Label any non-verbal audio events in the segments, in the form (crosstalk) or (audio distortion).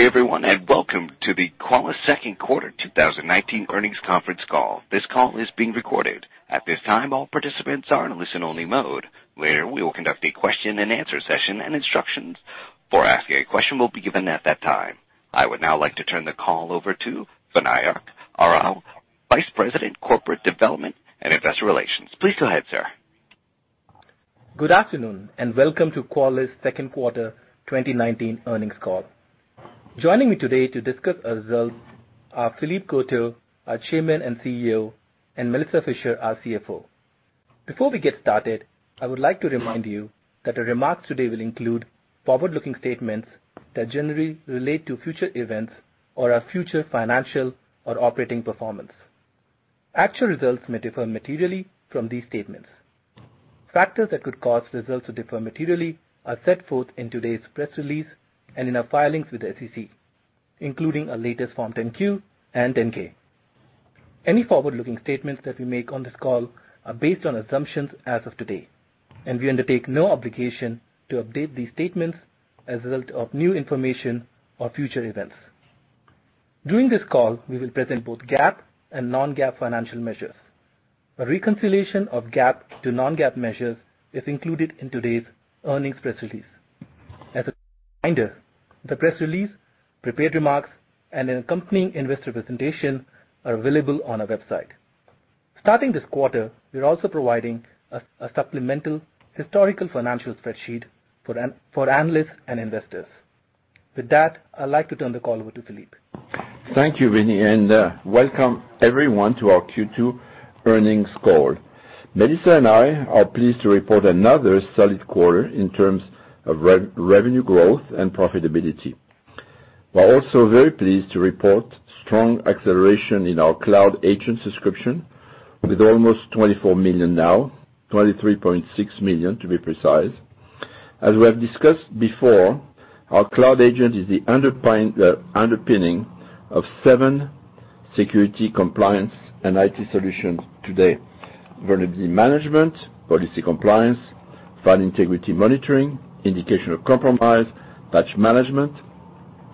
Hey everyone, and welcome to the Qualys second quarter 2019 earnings conference call. This call is being recorded. At this time, all participants are in listen-only mode. Later, we will conduct a question-and-answer session, and instructions for asking a question will be given at that time. I would now like to turn the call over to Vinayak Rao, Vice President, Corporate Development and Investor Relations. Please go ahead, sir. Good afternoon. Welcome to Qualys' second quarter 2019 earnings call. Joining me today to discuss our results are Philippe Courtot, our Chairman and CEO, and Melissa Fisher, our CFO. Before we get started, I would like to remind you that the remarks today will include forward-looking statements that generally relate to future events or our future financial or operating performance. Actual results may differ materially from these statements. Factors that could cause results to differ materially are set forth in today's press release and in our filings with the SEC, including our latest Form 10-Q and 10-K. Any forward-looking statements that we make on this call are based on assumptions as of today. We undertake no obligation to update these statements as a result of new information or future events. During this call, we will present both GAAP and non-GAAP financial measures. A reconciliation of GAAP to non-GAAP measures is included in today's earnings press release. As a reminder, the press release, prepared remarks, and an accompanying investor presentation are available on our website. Starting this quarter, we are also providing a supplemental historical financial spreadsheet for analysts and investors. With that, I'd like to turn the call over to Philippe. Thank you, Vin, and welcome, everyone, to our Q2 earnings call. Melissa and I are pleased to report another solid quarter in terms of revenue growth and profitability. We're also very pleased to report strong acceleration in our Cloud Agent subscription with almost 24 million now, 23.6 million to be precise. As we have discussed before, our Cloud Agent is the underpinning of seven security compliance and IT solutions today, Vulnerability Management, Policy Compliance, File Integrity Monitoring, Indication of Compromise, Patch Management,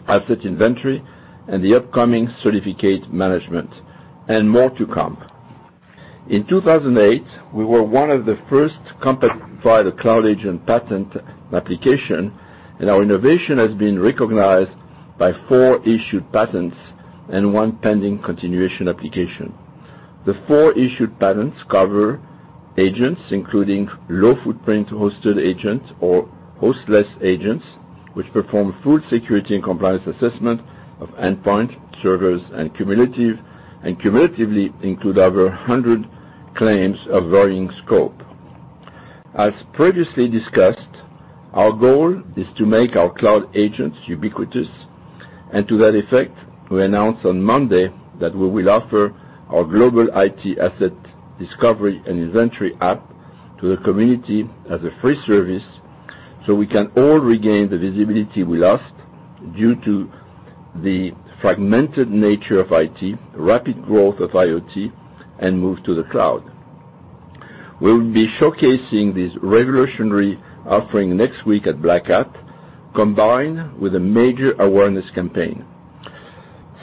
Asset Inventory, and the upcoming Certificate Management, and more to come. In 2008, we were one of the first companies to file a Cloud Agent patent application, and our innovation has been recognized by four issued patents and one pending continuation application. The four issued patents cover agents, including low-footprint hosted agents or hostless agents, which perform full security and compliance assessment of endpoint servers and cumulatively include over 100 claims of varying scope. As previously discussed, our goal is to make our cloud agents ubiquitous. To that effect, we announced on Monday that we will offer our Global IT Asset Discovery and Inventory app to the community as a free service so we can all regain the visibility we lost due to the fragmented nature of IT, rapid growth of IoT, and move to the cloud. We will be showcasing this revolutionary offering next week at Black Hat, combined with a major awareness campaign.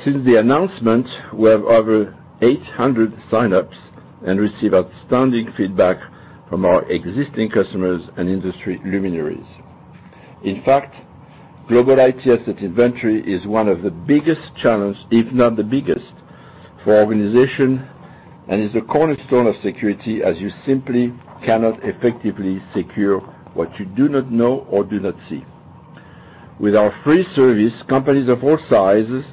Since the announcement, we have over 800 sign-ups and received outstanding feedback from our existing customers and industry luminaries. In fact, Global IT Asset Inventory is one of the biggest challenges, if not the biggest, for organization and is a cornerstone of security as you simply cannot effectively secure what you do not know or do not see. With our free service, companies of all sizes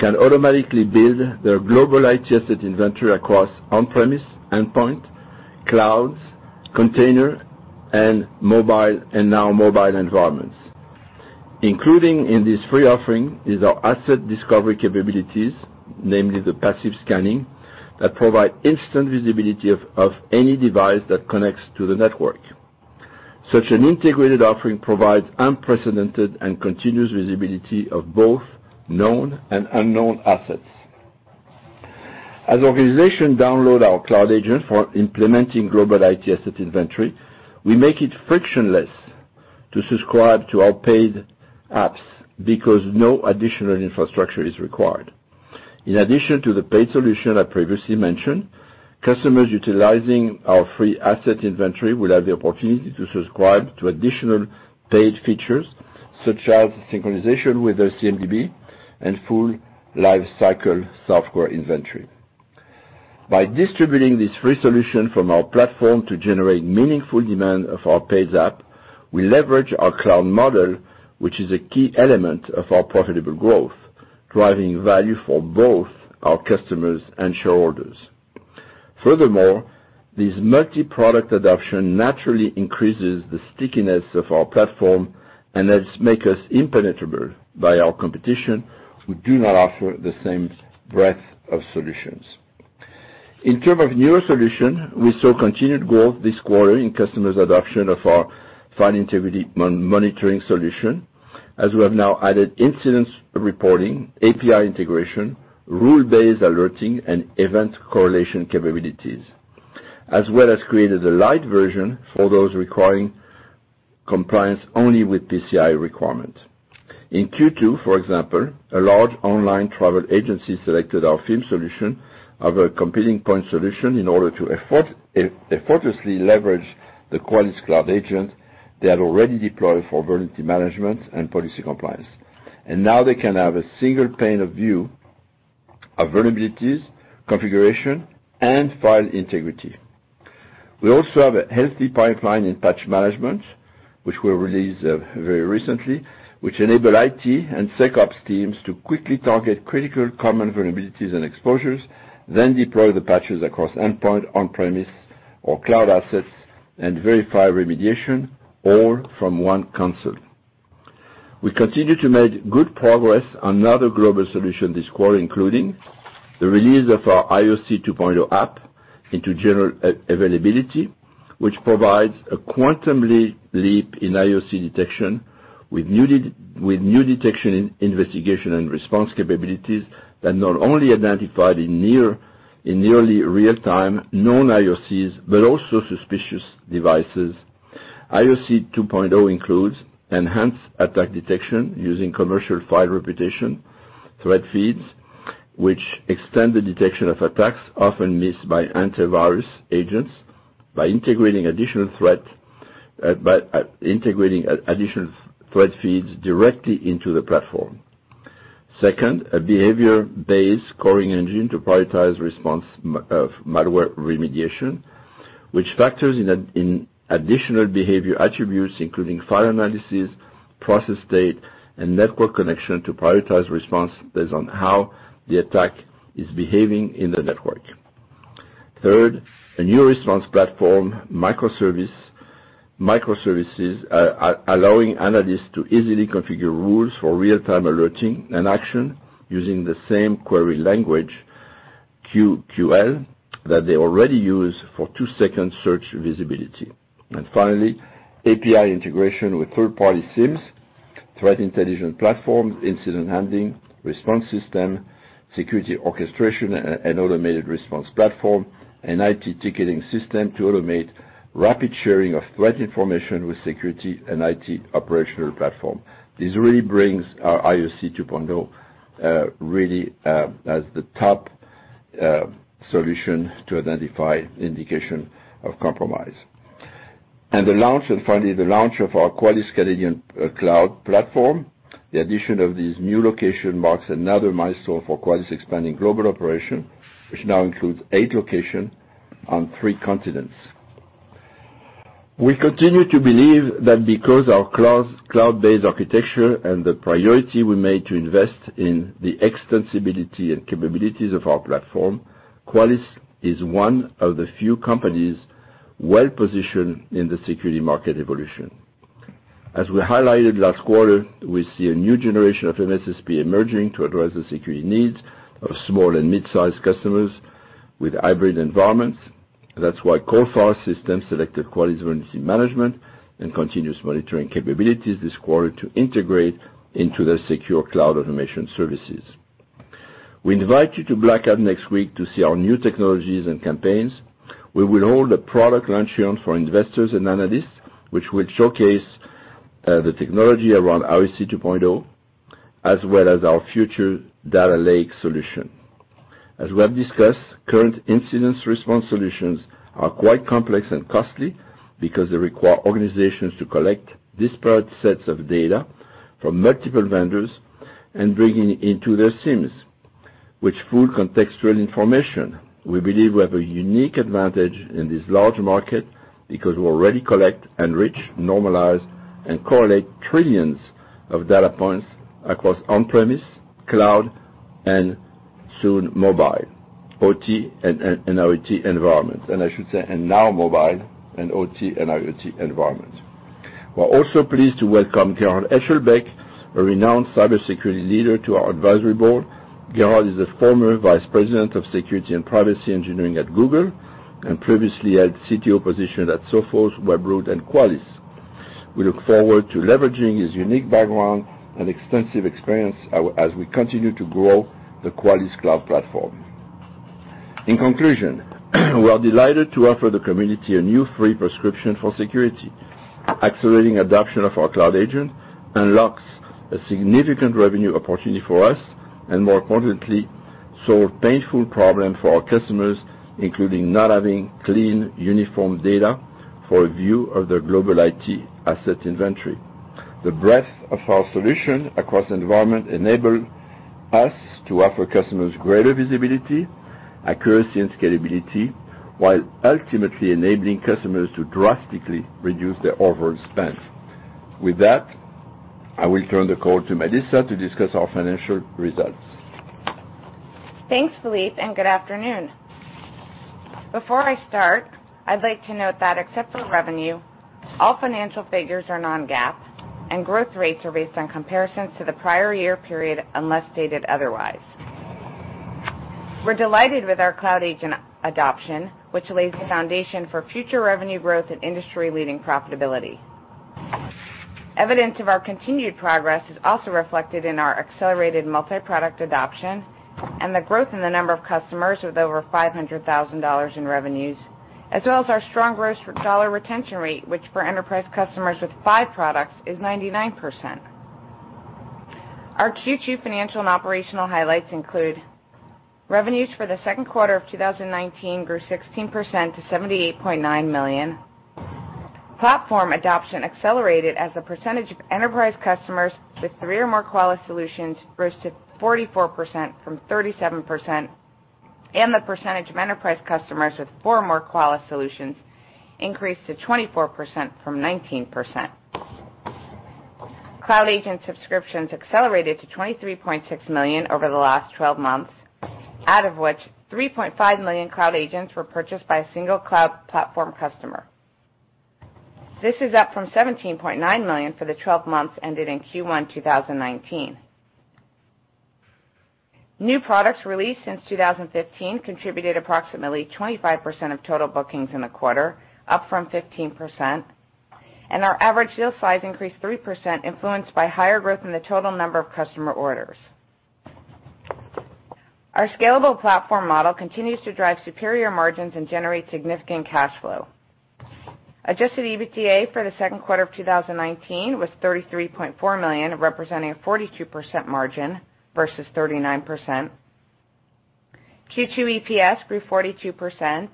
can automatically build their Global IT Asset Inventory across on-premise endpoint, clouds, container, and now mobile environments. Including in this free offering is our asset discovery capabilities, namely the passive scanning that provide instant visibility of any device that connects to the network. Such an integrated offering provides unprecedented and continuous visibility of both known and unknown assets. As organizations download our Cloud Agent for implementing Global IT Asset Inventory, we make it frictionless to subscribe to our paid apps because no additional infrastructure is required. In addition to the paid solution I previously mentioned, customers utilizing our free Asset Inventory will have the opportunity to subscribe to additional paid features such as synchronization with their CMDB and full lifecycle software inventory. By distributing this free solution from our platform to generate meaningful demand of our paid app, we leverage our cloud model, which is a key element of our profitable growth, driving value for both our customers and shareholders. Furthermore, this multi-product adoption naturally increases the stickiness of our platform and helps make us impenetrable by our competition who do not offer the same breadth of solutions. In terms of newer solutions, we saw continued growth this quarter in customers' adoption of our File Integrity Monitoring solution, as we have now added incident reporting, API integration, rule-based alerting, and event correlation capabilities, as well as created a lite version for those requiring compliance only with PCI requirements. In Q2, for example, a large online travel agency selected our FIM solution over a competing point solution in order to effortlessly leverage the Qualys Cloud Agent they had already deployed for Vulnerability Management and Policy Compliance. Now they can have a single pane of view of vulnerabilities, configuration, and file integrity. We also have a healthy pipeline in Patch Management, which we released very recently, which enable IT and SecOps teams to quickly target critical common vulnerabilities and exposures, then deploy the patches across endpoint, on-premise, or cloud assets and verify remediation, all from one console. We continue to make good progress on other global solutions this quarter, including the release of our IOC 2.0 app into general availability, which provides a quantum leap in IOC detection with new detection, investigation, and response capabilities that not only identified in nearly real-time known IOCs, but also suspicious devices. IOC 2.0 includes enhanced attack detection using commercial file reputation, threat feeds, which extend the detection of attacks often missed by antivirus agents by integrating additional threat feeds directly into the platform. Second, a behavior-based scoring engine to prioritize response of malware remediation, which factors in additional behavior attributes, including file analysis, process state, and network connection to prioritize response based on how the attack is behaving in the network. Third, a new response platform, microservices, are allowing analysts to easily configure rules for real-time alerting and action using the same query language, QQL, that they already use for two-second search visibility. Finally, API integration with third-party SIEMs, threat intelligence platform, incident handling, response system, security orchestration and automated response platform, and IT ticketing system to automate rapid sharing of threat information with security and IT operational platform. This really brings our IOC 2.0 really as the top solution to identify indication of compromise. Finally, the launch of our Qualys Canadian Cloud Platform. The addition of this new location marks another milestone for Qualys' expanding global operation, which now includes eight locations on three continents. We continue to believe that because our cloud-based architecture and the priority we made to invest in the extensibility and capabilities of our platform, Qualys is one of the few companies well-positioned in the security market evolution. As we highlighted last quarter, we see a new generation of MSSP emerging to address the security needs of small and mid-sized customers with hybrid environments. That's why Coalfire Systems selected Qualys Vulnerability Management and Continuous Monitoring capabilities this quarter to integrate into their secure cloud automation services. We invite you to Black Hat next week to see our new technologies and campaigns. We will hold a product luncheon for investors and analysts, which will showcase the technology around IOC 2.0, as well as our future data lake solution. As we have discussed, current incidence response solutions are quite complex and costly because they require organizations to collect disparate sets of data from multiple vendors and bring it into their SIEMs, with full contextual information. We believe we have a unique advantage in this large market because we already collect, enrich, normalize, and correlate trillions of data points across on-premise, cloud, and soon mobile, OT, and IoT environments. I should say, and now mobile and OT and IoT environments. We are also pleased to welcome Gerhard Eschelbeck, a renowned cybersecurity leader, to our advisory board. Gerhard is the former Vice President of Security and Privacy Engineering at Google and previously held CTO position at Sophos, Webroot, and Qualys. We look forward to leveraging his unique background and extensive experience as we continue to grow the Qualys Cloud Platform. In conclusion, we are delighted to offer the community a new free prescription for security. Accelerating adoption of our Cloud Agent unlocks a significant revenue opportunity for us, and more importantly, solve painful problems for our customers, including not having clean, uniform data for a view of their Global IT Asset Inventory. The breadth of our solution across environment enable us to offer customers greater visibility, accuracy, and scalability, while ultimately enabling customers to drastically reduce their overall spend. With that, I will turn the call to Melissa to discuss our financial results. Thanks, Philippe, and good afternoon. Before I start, I'd like to note that except for revenue, all financial figures are non-GAAP, and growth rates are based on comparisons to the prior year period, unless stated otherwise. We're delighted with our Cloud Agent adoption, which lays the foundation for future revenue growth and industry-leading profitability. Evidence of our continued progress is also reflected in our accelerated multi-product adoption and the growth in the number of customers with over $500,000 in revenues, as well as our strong growth dollar retention rate, which for enterprise customers with five products is 99%. Our Q2 financial and operational highlights include revenues for the second quarter of 2019 grew 16% to $78.9 million. Platform adoption accelerated as a percentage of enterprise customers with three or more Qualys solutions rose to 44% from 37%, and the percentage of enterprise customers with four more Qualys solutions increased to 24% from 19%. Cloud Agent subscriptions accelerated to 23.6 million over the last 12 months, out of which 3.5 million Cloud Agents were purchased by a single cloud platform customer. This is up from 17.9 million for the 12 months ended in Q1 2019. New products released since 2015 contributed approximately 25% of total bookings in the quarter, up from 15%, and our average deal size increased 3%, influenced by higher growth in the total number of customer orders. Our scalable platform model continues to drive superior margins and generate significant cash flow. Adjusted EBITDA for the second quarter of 2019 was $33.4 million, representing a 42% margin versus 39%. Q2 EPS grew 42%,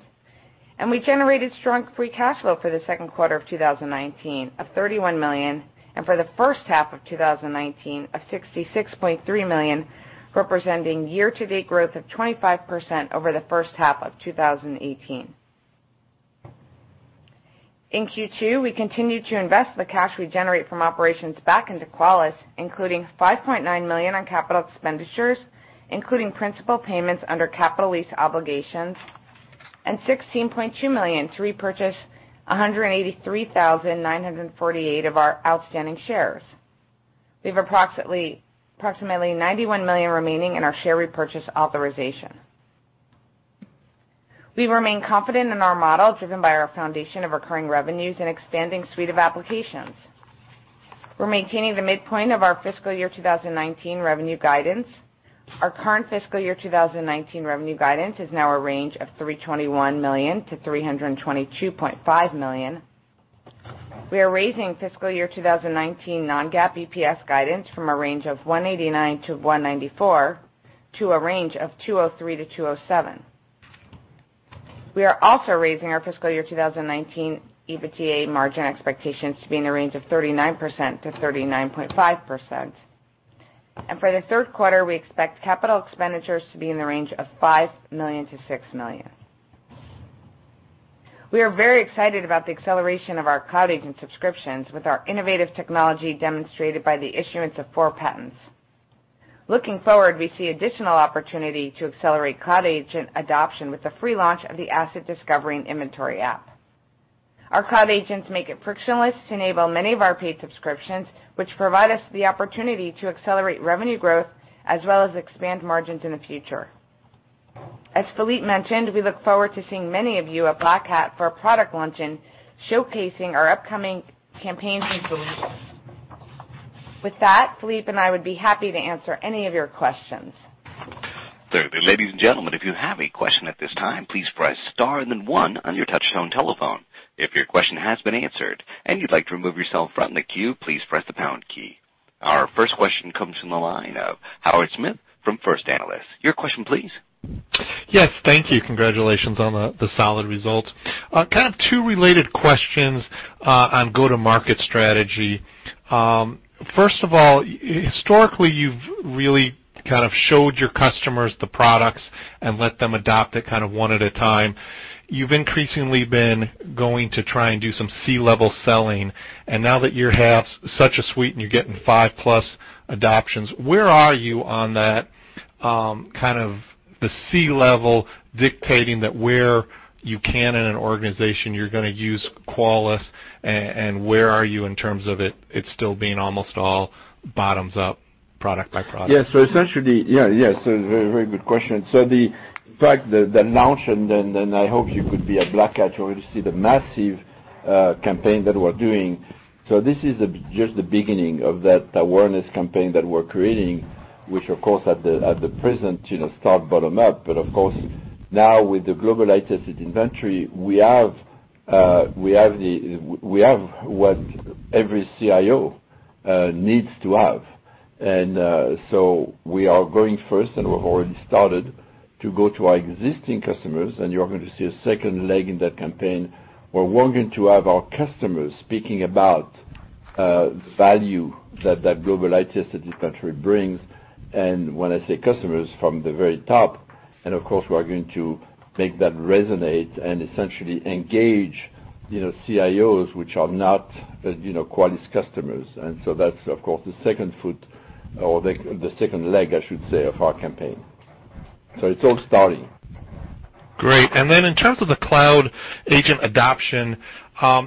and we generated strong free cash flow for the second quarter of 2019 of $31 million, and for the first half of 2019, of $66.3 million, representing year-to-date growth of 25% over the first half of 2018. In Q2, we continued to invest the cash we generate from operations back into Qualys, including $5.9 million on capital expenditures, including principal payments under capital lease obligations, and $16.2 million to repurchase 183,948 of our outstanding shares. We have approximately $91 million remaining in our share repurchase authorization. We remain confident in our model, driven by our foundation of recurring revenues and expanding suite of applications. We're maintaining the midpoint of our fiscal year 2019 revenue guidance. Our current fiscal year 2019 revenue guidance is now a range of $321 million-$322.5 million. We are raising fiscal year 2019 non-GAAP EPS guidance from a range of $1.89-$1.94 to a range of $2.03-$2.07. We are also raising our fiscal year 2019 EBITDA margin expectations to be in the range of 39%-39.5%. For the third quarter, we expect capital expenditures to be in the range of $5 million-$6 million. We are very excited about the acceleration of our Cloud Agent subscriptions with our innovative technology demonstrated by the issuance of four patents. Looking forward, we see additional opportunity to accelerate Cloud Agent adoption with the free launch of the Asset Discovery and Inventory app. Our Cloud Agents make it frictionless to enable many of our paid subscriptions, which provide us the opportunity to accelerate revenue growth as well as expand margins in the future. As Philippe mentioned, we look forward to seeing many of you at Black Hat for a product luncheon showcasing our upcoming campaigns and solutions. With that, Philippe and I would be happy to answer any of your questions. Ladies and gentlemen, if you have a question at this time, please press star and then one on your touchtone telephone. If your question has been answered and you'd like to remove yourself from the queue, please press the pound key. Our first question comes from the line of Howard Smith from First Analysis. Your question, please. Yes. Thank you. Congratulations on the solid results. Kind of two related questions on go-to-market strategy. First of all, historically, you've really kind of showed your customers the products and let them adopt it kind of one at a time. You've increasingly been going to try and do some C-level selling. Now that you have such a suite and you're getting 5+ adoptions, where are you on that kind of the C-level dictating that where you can in an organization, you're gonna use Qualys, and where are you in terms of it still being almost all bottoms up product by product? Yes. Essentially, very good question. The fact that the launch, and I hope you could be at Black Hat, you will see the massive campaign that we're doing. This is just the beginning of that awareness campaign that we're creating, which of course at the present start bottom up. Of course, now with the Global IT Asset Inventory, we have what every CIO needs to have. We are going first, and we've already started to go to our existing customers, and you're going to see a second leg in that campaign, where we're going to have our customers speaking about value that Global IT Asset Inventory brings. When I say customers from the very top, and of course, we are going to make that resonate and essentially engage CIOs which are not Qualys customers. That's of course the second foot or the second leg, I should say, of our campaign. It's all starting. Great. In terms of the Cloud Agent adoption, is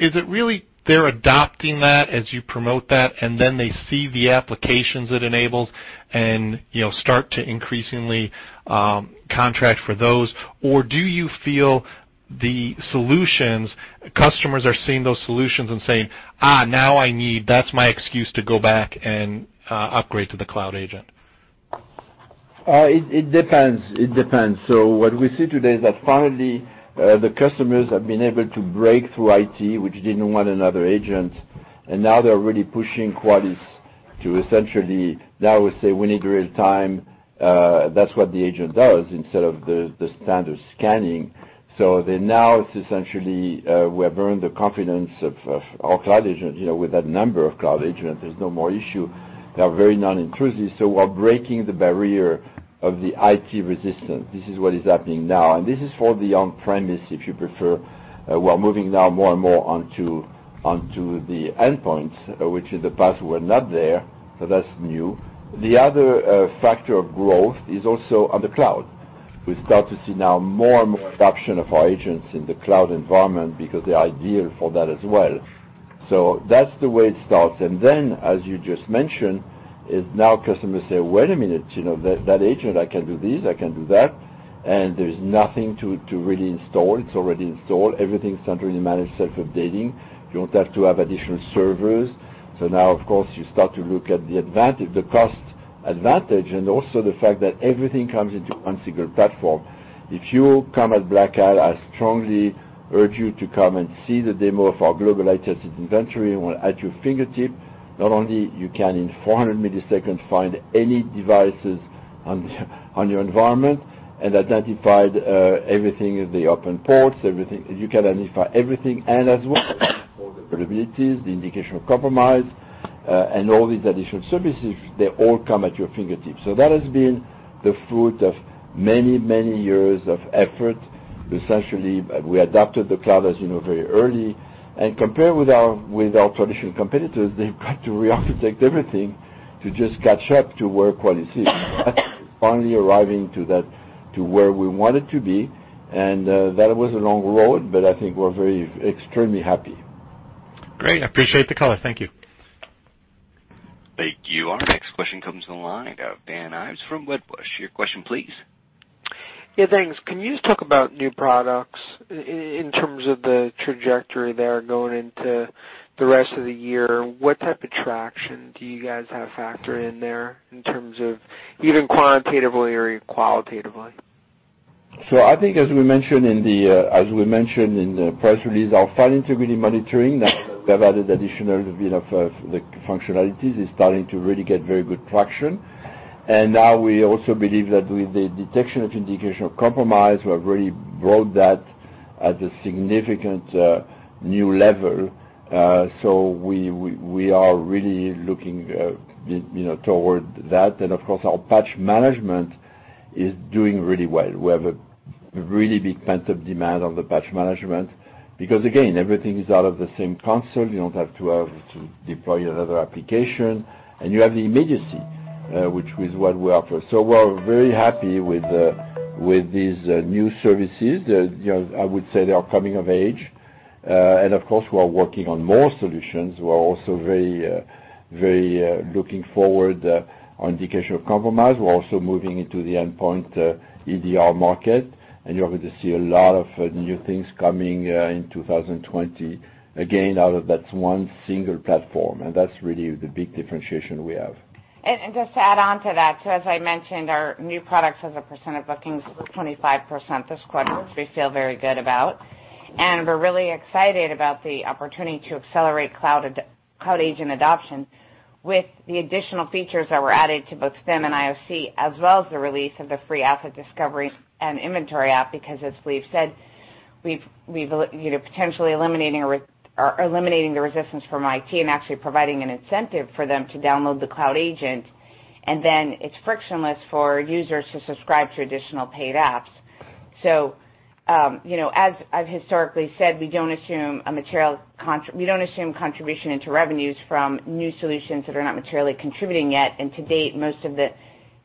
it really they're adopting that as you promote that, and then they see the applications it enables and start to increasingly contract for those? Or do you feel the solutions, customers are seeing those solutions and saying, "Ah, now I need. That's my excuse to go back and upgrade to the Cloud Agent"? It depends. What we see today is that finally, the customers have been able to break through IT, which didn't want another agent, and now they're really pushing Qualys to essentially now say, "We need real-time." That's what the agent does instead of the standard scanning. Now it's essentially, we have earned the confidence of our Cloud Agent, with that number of Cloud Agents, there's no more issue. They are very non-intrusive, so we're breaking the barrier of the IT resistance. This is what is happening now, and this is for the on-premise, if you prefer. We're moving now more and more onto the endpoint, which in the past we're not there, so that's new. The other factor of growth is also on the cloud. We start to see now more and more adoption of our agents in the cloud environment because they're ideal for that as well. That's the way it starts. Then, as you just mentioned, is now customers say, "Wait a minute, that agent, I can do this, I can do that," and there's nothing to really install. It's already installed. Everything is centrally managed, self-updating. You don't have to have additional servers. Now, of course, you start to look at the cost advantage, and also the fact that everything comes into one single platform. If you come at Black Hat, I strongly urge you to come and see the demo of our Global IT Asset Inventory at your fingertips. Not only you can, in 400 milliseconds, find any devices on your environment and identify everything, the open ports, you can identify everything, and as well as all the vulnerabilities, the Indication of Compromise, and all these additional services, they all come at your fingertips. That has been the fruit of many, many years of effort. Essentially, we adapted the cloud, as you know, very early. Compared with our traditional competitors, they've got to re-architect everything to just catch up to where Qualys is. That's finally arriving to where we wanted to be. That was a long road, but I think we're very extremely happy. Great. I appreciate the color. Thank you. Thank you. Our next question comes on the line. Dan Ives from Wedbush. Your question, please. Yeah, thanks. Can you just talk about new products in terms of the trajectory there going into the rest of the year? What type of traction do you guys have factored in there in terms of even quantitatively or qualitatively? I think as we mentioned in the press release, our File Integrity Monitoring, now that we have added additional bit of the functionalities, is starting to really get very good traction. Now we also believe that with the detection of Indication of Compromise, we have really brought that at a significant new level. We are really looking toward that. Of course, our Patch Management is doing really well. We have a really big pent-up demand on the Patch Management because, again, everything is out of the same console. You don't have to deploy another application, and you have the immediacy, which is what we offer. We're very happy with these new services. I would say they are coming of age. Of course, we are working on more solutions. We are also very looking forward on Indication of Compromise. We're also moving into the endpoint EDR market, and you're going to see a lot of new things coming in 2020, again, out of that one single platform, and that's really the big differentiation we have. Just to add on to that, as I mentioned, our new products as a percent of bookings was 25% this quarter, which we feel very good about. We're really excited about the opportunity to accelerate Cloud Agent adoption with the additional features that were added to both FIM and IOC, as well as the release of the free Asset Discovery and Inventory app. As we've said, we're potentially eliminating the resistance from IT and actually providing an incentive for them to download the Cloud Agent, and then it's frictionless for users to subscribe to additional paid apps. As I've historically said, we don't assume contribution into revenues from new solutions that are not materially contributing yet. To date, most of the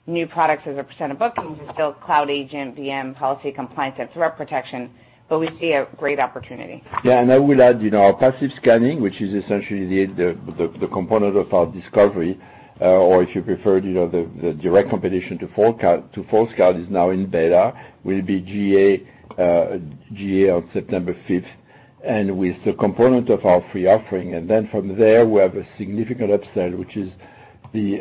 new products as a percent of bookings are still Cloud Agent, VM, Policy Compliance, and Threat Protection, but we see a great opportunity. Yeah, I will add, our passive scanning, which is essentially the component of our discovery, or if you prefer, the direct competition to Forescout is now in beta, will be GA on September 5th, and with the component of our free offering. From there, we have a significant upsell, which is the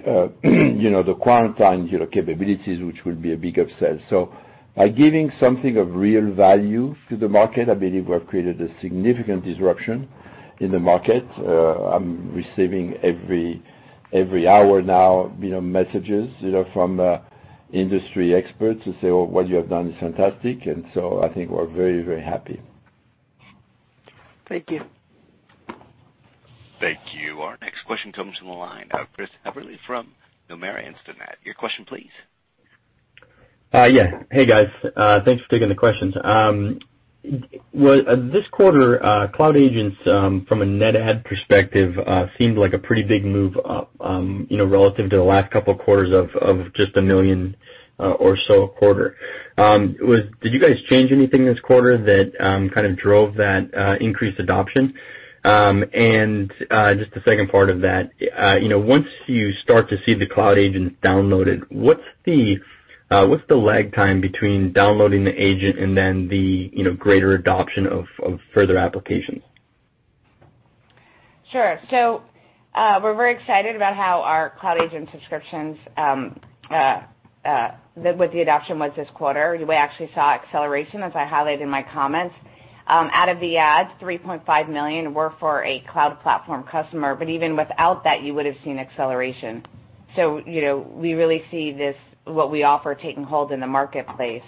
quarantine capabilities, which will be a big upsell. By giving something of real value to the market, I believe we have created a significant disruption in the market. I'm receiving every hour now, messages from industry experts who say, "Oh, what you have done is fantastic." I think we're very, very happy. Thank you. Thank you. Our next question comes from the line of Chris Eberle from Nomura Instinet. Your question, please. Yeah. Hey, guys. Thanks for taking the questions. This quarter, Cloud Agents, from a net add perspective, seemed like a pretty big move up, relative to the last couple of quarters of just 1 million or so a quarter. Did you guys change anything this quarter that kind of drove that increased adoption? Just the second part of that. Once you start to see the Cloud Agent downloaded, what's the lag time between downloading the agent and then the greater adoption of further applications? Sure. We're very excited about how our Cloud Agent subscriptions, with the adoption was this quarter, we actually saw acceleration, as I highlighted in my comments. Out of the ads, $3.5 million were for a cloud platform customer. Even without that, you would have seen acceleration. We really see what we offer taking hold in the marketplace.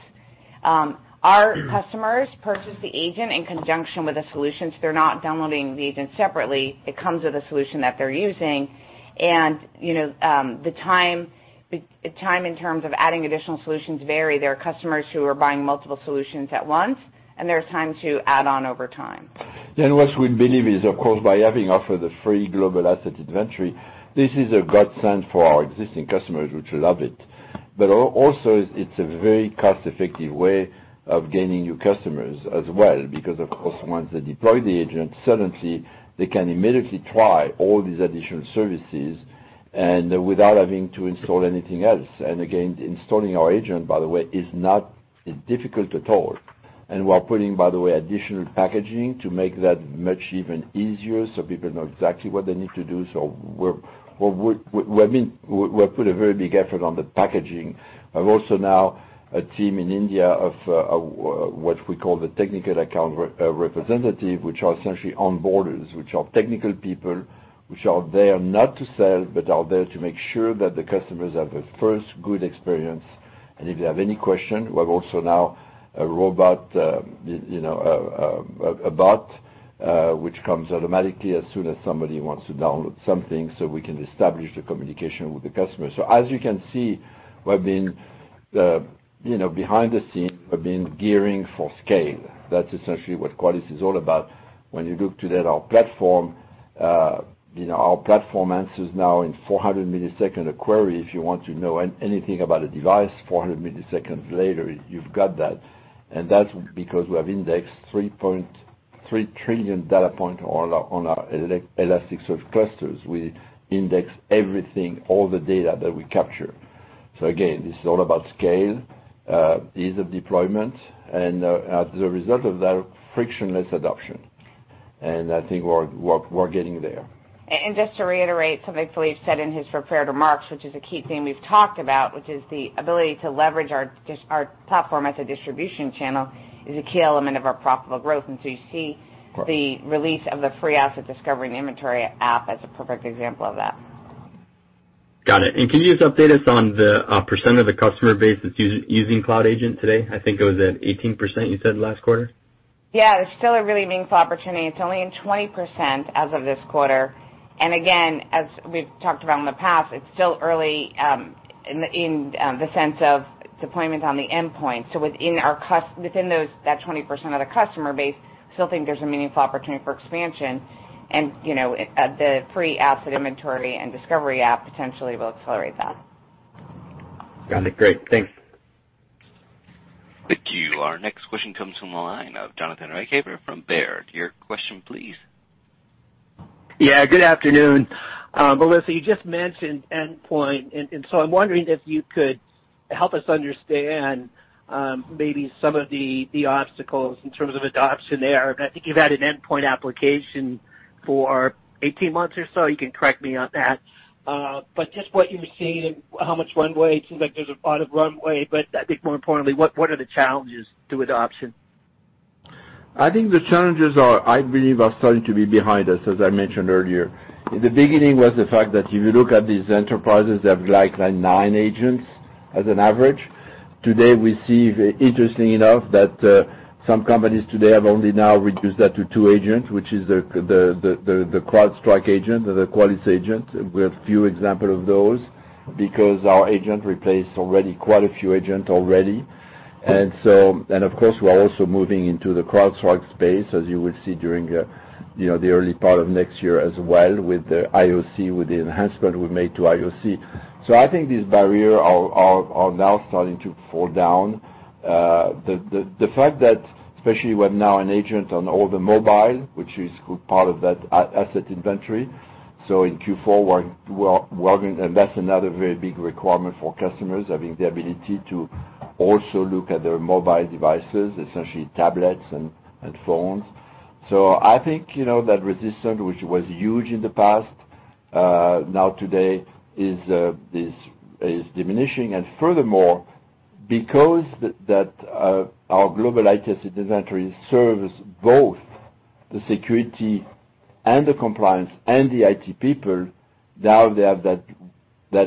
Our customers purchase the agent in conjunction with the solutions. They're not downloading the agent separately. It comes with a solution that they're using. The time in terms of adding additional solutions vary. There are customers who are buying multiple solutions at once, and there's times you add on over time. What we believe is, of course, by having offered the free Global Asset Inventory, this is a godsend for our existing customers, which love it. Also, it's a very cost-effective way of gaining new customers as well, because of course, once they deploy the agent, suddenly they can immediately try all these additional services without having to install anything else. Again, installing our agent, by the way, is not difficult at all. We're putting, by the way, additional packaging to make that much even easier so people know exactly what they need to do. We have put a very big effort on the packaging. I've also now a team in India of what we call the technical account representative, which are essentially onboarders, which are technical people, which are there not to sell, but are there to make sure that the customers have a first good experience. If they have any question, we have also now a robot, a bot, which comes automatically as soon as somebody wants to download something so we can establish the communication with the customer. As you can see, behind the scenes, we've been gearing for scale. That's essentially what Qualys is all about. When you look today at our platform, our platform answers now in 400 millisecond a query, if you want to know anything about a device, 400 milliseconds later, you've got that. That's because we have indexed 3.3 trillion data point on our ElasticSearch clusters. We index everything, all the data that we capture. Again, this is all about scale, ease of deployment, and as a result of that, frictionless adoption. I think we're getting there. Just to reiterate something Philippe said in his prepared remarks, which is a key theme we've talked about, which is the ability to leverage our platform as a distribution channel is a key element of our profitable growth. You see the release of the free Asset Discovery and Inventory app as a perfect example of that. Got it. Can you just update us on the percent of the customer base that's using Cloud Agent today? I think it was at 18%, you said last quarter. Yeah, it's still a really meaningful opportunity. It's only in 20% as of this quarter. Again, as we've talked about in the past, it's still early, in the sense of deployments on the endpoint. Within that 20% of the customer base, still think there's a meaningful opportunity for expansion and the free Asset Inventory and Discovery app potentially will accelerate that. Got it. Great. Thanks. Thank you. Our next question comes from the line of Jonathan Ruykhaver from Baird. Your question, please. Yeah, good afternoon. Melissa, you just mentioned endpoint, and so I'm wondering if you could help us understand maybe some of the obstacles in terms of adoption there. I think you've had an endpoint application for 18 months or so, you can correct me on that. Just what you've seen and how much runway, it seems like there's a lot of runway, but I think more importantly, what are the challenges to adoption? I think the challenges are, I believe, are starting to be behind us, as I mentioned earlier. In the beginning was the fact that if you look at these enterprises, they have like nine agents as an average. Today, we see, interestingly enough, that some companies today have only now reduced that to two agents, which is the CrowdStrike agent or the Qualys agent. We have few example of those because our agent replaced already quite a few agent already. Of course we are also moving into the CrowdStrike space as you will see during the early part of next year as well with the IOC, with the enhancement we made to IOC. I think these barrier are now starting to fall down. The fact that especially we have now an agent on all the mobile, which is part of that Asset Inventory. In Q4, we are going to invest another very big requirement for customers, having the ability to also look at their mobile devices, essentially tablets and phones. I think that resistance, which was huge in the past, now today is diminishing. Furthermore, because our Global IT Asset Inventory serves both the security and the compliance and the IT people, now they have that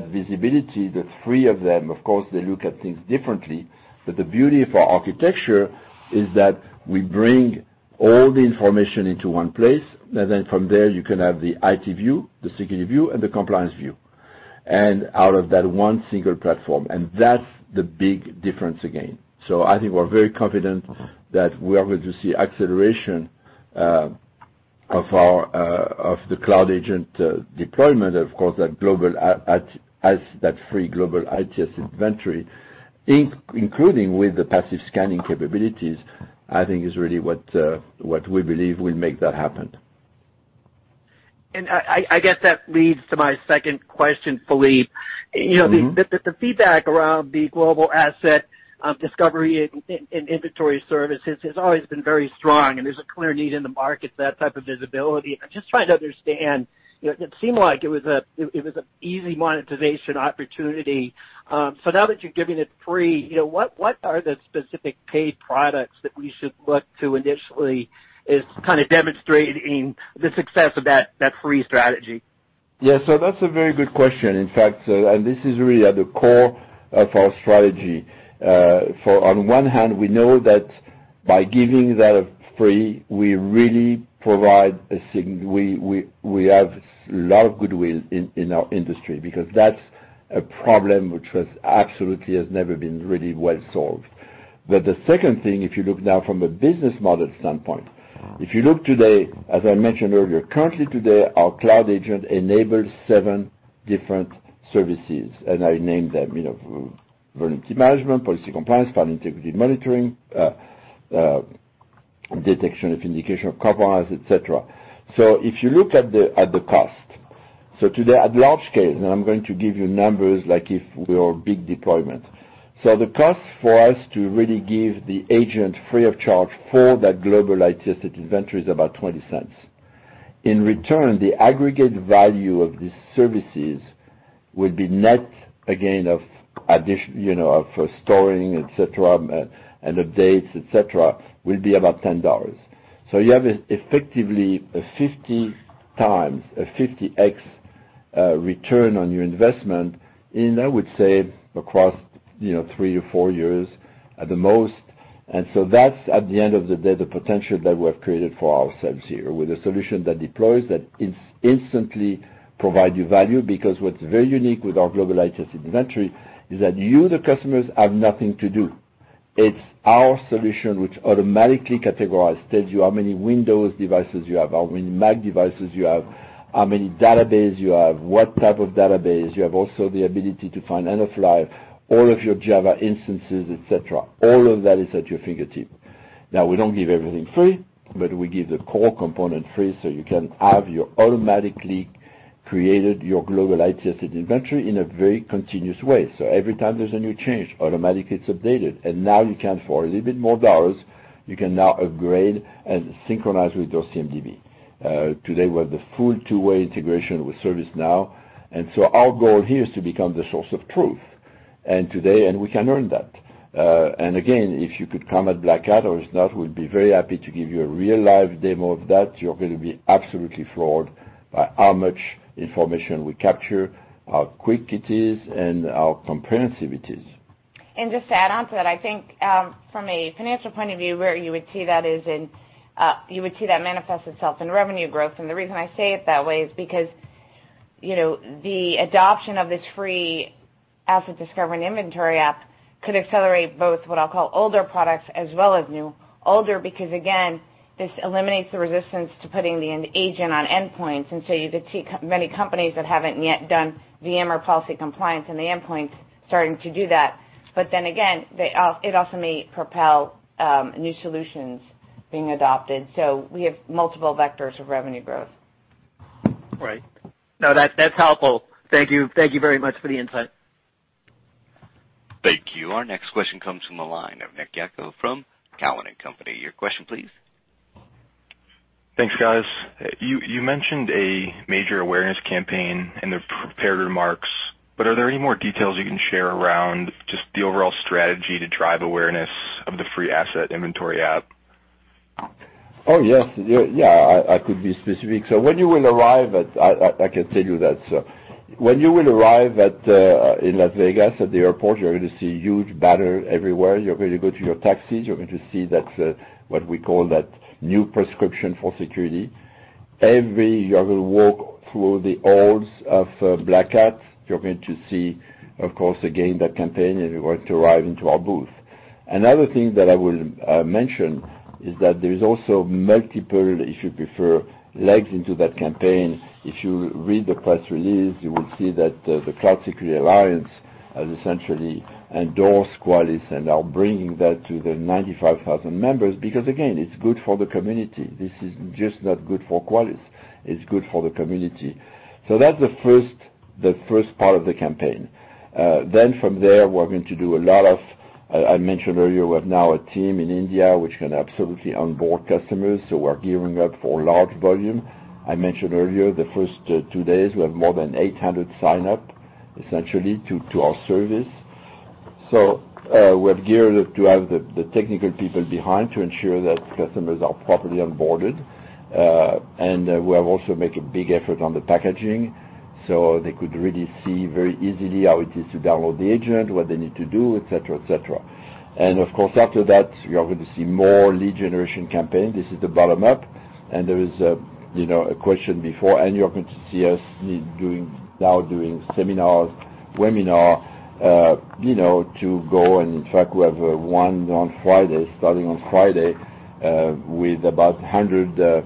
visibility, the three of them, of course, they look at things differently. The beauty of our architecture is that we bring all the information into one place. From there you can have the IT view, the security view, and the compliance view out of that one single platform. That's the big difference again. I think we're very confident that we are going to see acceleration of the Cloud Agent deployment, of course, as that free Global IT Asset Inventory, including with the passive scanning capabilities, I think is really what we believe will make that happen. I guess that leads to my second question, Philippe. The feedback around the Global Asset Discovery and Inventory services has always been very strong, and there's a clear need in the market for that type of visibility. I'm just trying to understand. It seemed like it was an easy monetization opportunity. Now that you're giving it free, what are the specific paid products that we should look to initially as kind of demonstrating the success of that free strategy? Yeah. That's a very good question, in fact, and this is really at the core of our strategy. On one hand, we know that by giving that free, we have a lot of goodwill in our industry because that's a problem which absolutely has never been really well solved. The second thing, if you look now from a business model standpoint, if you look today, as I mentioned earlier, currently today, our Cloud Agent enables seven different services, and I named them. Vulnerability Management, Policy Compliance, File Integrity Monitoring, detection of Indication of Compromise, et cetera. If you look at the cost. Today, at large-scale, and I'm going to give you numbers like if we are a big deployment. The cost for us to really give the agent free of charge for that Global IT Asset Inventory is about $0.20. In return, the aggregate value of these services will be net, again, of storing, et cetera, and updates, et cetera, will be about $10. You have effectively a 50x return on your investment in, I would say, across three to four years at the most. That's, at the end of the day, the potential that we have created for ourselves here with a solution that deploys, that instantly provides you value. Because what's very unique with our Global IT Asset Inventory is that you, the customers, have nothing to do. It's our solution which automatically categorizes, tells you how many Windows you have, how many Mac you have, how many database you have, what type of database. You have also the ability to find end-of-life, all of your Java instances, et cetera. All of that is at your fingertips. Now, we don't give everything free, but we give the core component free so you can have your automatically created, your Global IT Asset Inventory in a very continuous way. Every time there's a new change, automatically it's updated. You can, for a little bit more dollars, you can now upgrade and synchronize with your CMDB. Today, we have the full two-way integration with ServiceNow. Our goal here is to become the source of truth, and we can earn that. Again, if you could come at Black Hat or if not, we'd be very happy to give you a real live demo of that. You're going to be absolutely floored by how much information we capture, how quick it is, and how comprehensive it is. Just to add onto that, I think, from a financial point of view, where you would see that is in, you would see that manifest itself in revenue growth. The reason I say it that way is because the adoption of this free Asset Discovery and Inventory app could accelerate both, what I'll call older products as well as new. Older because, again, this eliminates the resistance to putting the agent on endpoints. You could see many companies that haven't yet done VM or Policy Compliance in the endpoint starting to do that. Again, it also may propel new solutions being adopted. We have multiple vectors of revenue growth. Right. No, that's helpful. Thank you very much for the insight. Thank you. Our next question comes from the line of Nick Yako from Cowen & Company. Your question, please. Thanks, guys. You mentioned a major awareness campaign in the prepared remarks, are there any more details you can share around just the overall strategy to drive awareness of the free Asset Inventory app? Oh, yes. I could be specific. I can tell you that. When you will arrive in Las Vegas at the airport, you're going to see huge banners everywhere. You're going to go to your taxis, you're going to see that, what we call that new prescription for security. As you walk through the halls of Black Hat, you're going to see, of course, again, that campaign as you want to arrive into our booth. Another thing that I will mention is that there is also multiple, if you prefer, legs into that campaign. If you read the press release, you will see that the Cloud Security Alliance has essentially endorsed Qualys and are bringing that to their 95,000 members because, again, it's good for the community. This is just not good for Qualys. It's good for the community. That's the first part of the campaign. From there, we're going to do a lot of, I mentioned earlier, we have now a team in India which can absolutely onboard customers, so we're gearing up for large volume. I mentioned earlier, the first two days, we have more than 800 sign up, essentially, to our service. We're geared up to have the technical people behind to ensure that customers are properly onboarded. We have also made a big effort on the packaging so they could really see very easily how it is to download the agent, what they need to do, et cetera. Of course, after that, we are going to see more lead generation campaign. This is the bottom up. There is a question before. You're going to see us now doing seminars, webinar to go. In fact, we have one on Friday, starting on Friday, with about 100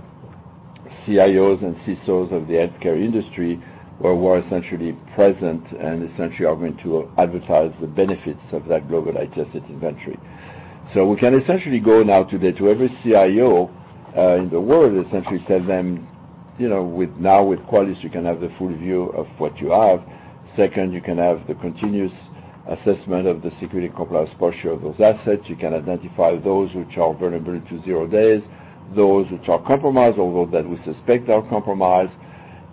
CIOs and CISOs of the healthcare industry were essentially present and essentially are going to advertise the benefits of that Global IT Asset Inventory. We can essentially go now today to every CIO in the world, essentially tell them, now with Qualys, you can have the full view of what you have. Second, you can have the continuous assessment of the security compliance posture of those assets. You can identify those which are vulnerable to zero days, those which are compromised, or those that we suspect are compromised.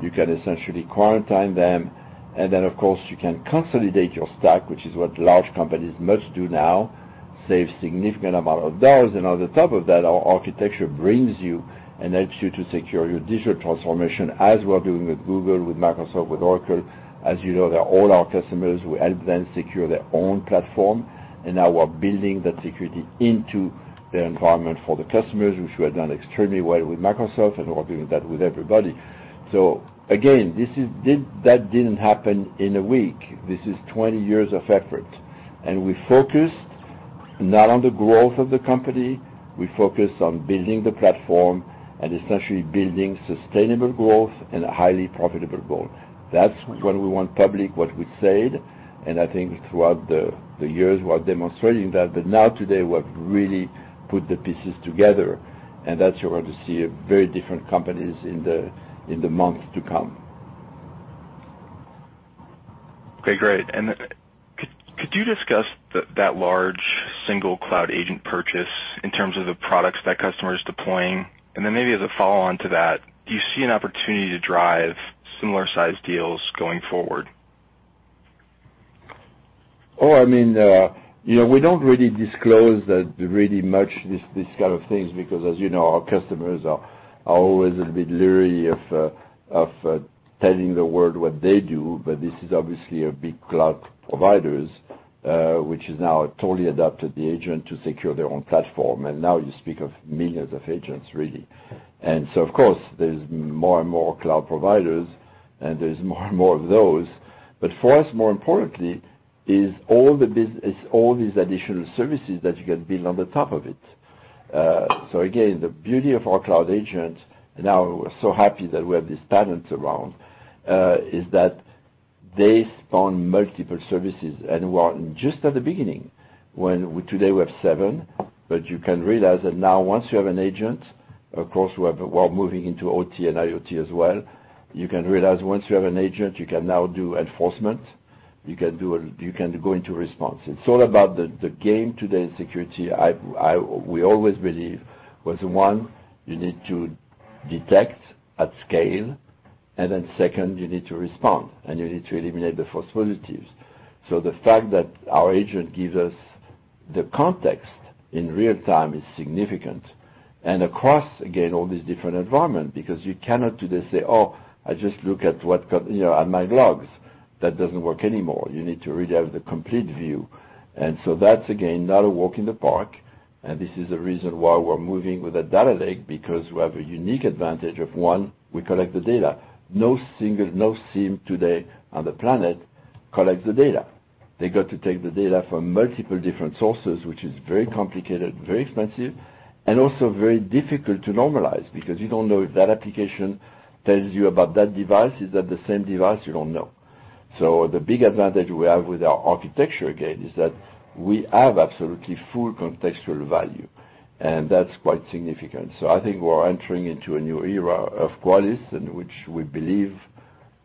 You can essentially quarantine them. Then, of course, you can consolidate your stack, which is what large companies must do now, save significant amount of dollars. On the top of that, our architecture brings you and helps you to secure your digital transformation as we're doing with Google, with Microsoft, with Oracle. As you know, they're all our customers. We help them secure their own platform, and now we're building that security into their environment for the customers, which we have done extremely well with Microsoft, and we're doing that with everybody. Again, that didn't happen in a week. This is 20 years of effort, and we focused not on the growth of the company. We focused on building the platform and essentially building sustainable growth and a highly profitable goal. That's when we went public, what we said, and I think throughout the years, we are demonstrating that. Now today, we've really put the pieces together, and that you are going to see very different companies in the months to come. Okay, great. Could you discuss that large single Cloud Agent purchase in terms of the products that customer is deploying? Maybe as a follow-on to that, do you see an opportunity to drive similar-sized deals going forward? We don't really disclose really much these kind of things because as you know, our customers are always a bit leery of telling the world what they do. This is obviously a big cloud providers, which has now totally adapted the agent to secure their own platform. Now you speak of millions of agents, really. Of course, there's more and more cloud providers, and there's more and more of those. For us, more importantly, it's all these additional services that you can build on the top of it. Again, the beauty of our Cloud Agent, and now we're so happy that we have these patents around, is that they spawn multiple services, and we're just at the beginning. Today, we have seven, but you can realize that now once you have an agent, of course, we are moving into OT and IoT as well. You can realize once you have an agent, you can now do enforcement. You can go into response. It's all about the game today in security. We always believe was one, you need to detect at scale, and then second, you need to respond, and you need to eliminate the false positives. The fact that our agent gives us the context in real-time is significant. Across, again, all these different environment, because you cannot today say, "Oh, I just look at my logs." That doesn't work anymore. You need to really have the complete view. That's, again, not a walk in the park, and this is the reason why we're moving with a data lake, because we have a unique advantage of one, we collect the data. No SIEM today on the planet collects the data. They got to take the data from multiple different sources, which is very complicated, very expensive, and also very difficult to normalize because you don't know if that application tells you about that device. Is that the same device? You don't know. The big advantage we have with our architecture, again, is that we have absolutely full contextual value, and that's quite significant. I think we're entering into a new era of Qualys in which we believe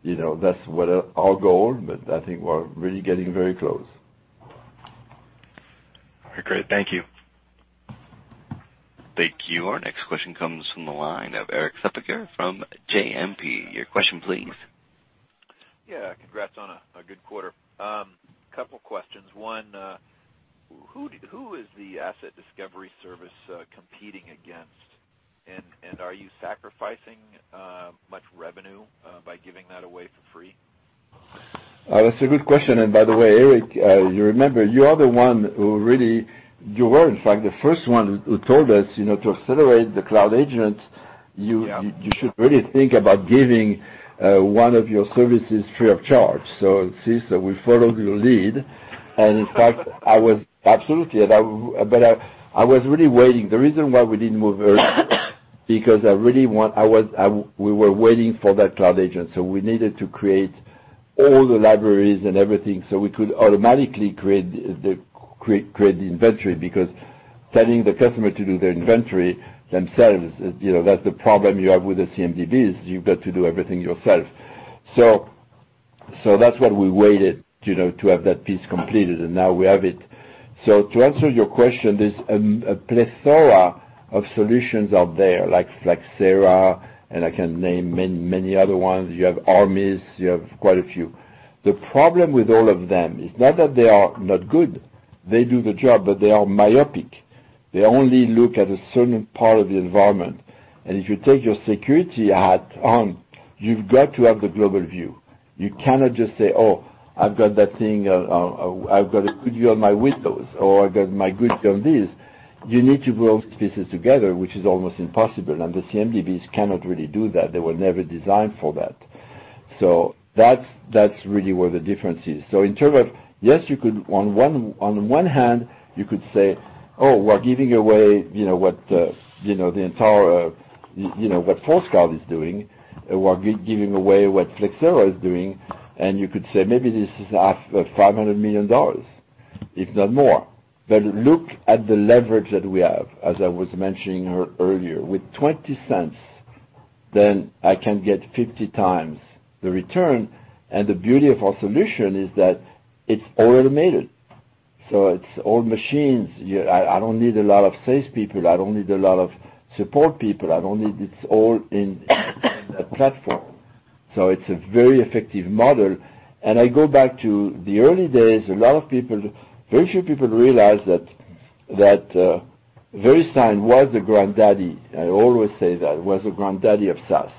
that's what our goal, but I think we're really getting very close. All right, great. Thank you. Thank you. Our next question comes from the line of Erik Suppiger from JMP. Your question, please. Yeah. Congrats on a good quarter. Couple questions. One, who is the asset discovery service competing against? Are you sacrificing much revenue by giving that away for free? That's a good question. By the way, Erik, you remember you were, in fact, the first one who told us to accelerate the Cloud Agent. You should really think about giving one of your services free of charge. It seems that we followed your lead. In fact, absolutely. I was really waiting. The reason why we didn't move early, because we were waiting for that Cloud Agent, so we needed to create all the libraries and everything so we could automatically create the inventory because telling the customer to do their inventory themselves, that's the problem you have with the CMDBs, is you've got to do everything yourself. That's why we waited to have that piece completed, and now we have it. To answer your question, there's a plethora of solutions out there, like Flexera, and I can name many other ones. You have Armis, you have quite a few. The problem with all of them is not that they are not good. They do the job, but they are myopic. They only look at a certain part of the environment. If you take your security hat on, you've got to have the global view. You cannot just say, "Oh, I've got that thing. I've got a good view on my windows," or, "I got my good view on this." You need to put all these pieces together, which is almost impossible, and the CMDBs cannot really do that. They were never designed for that. So that's really where the difference is. In terms of, yes, on one hand, you could say, "Oh, we're giving away what Forescout is doing. We're giving away what Flexera is doing." You could say, "Maybe this is $500 million, if not more." Look at the leverage that we have, as I was mentioning earlier. With $0.20, then I can get 50x the return, and the beauty of our solution is that it's all automated. It's all machines. I don't need a lot of salespeople. I don't need a lot of support people. It's all in a platform. It's a very effective model. I go back to the early days, very few people realized that VeriSign was the granddaddy. I always say that. It was the granddaddy of SaaS.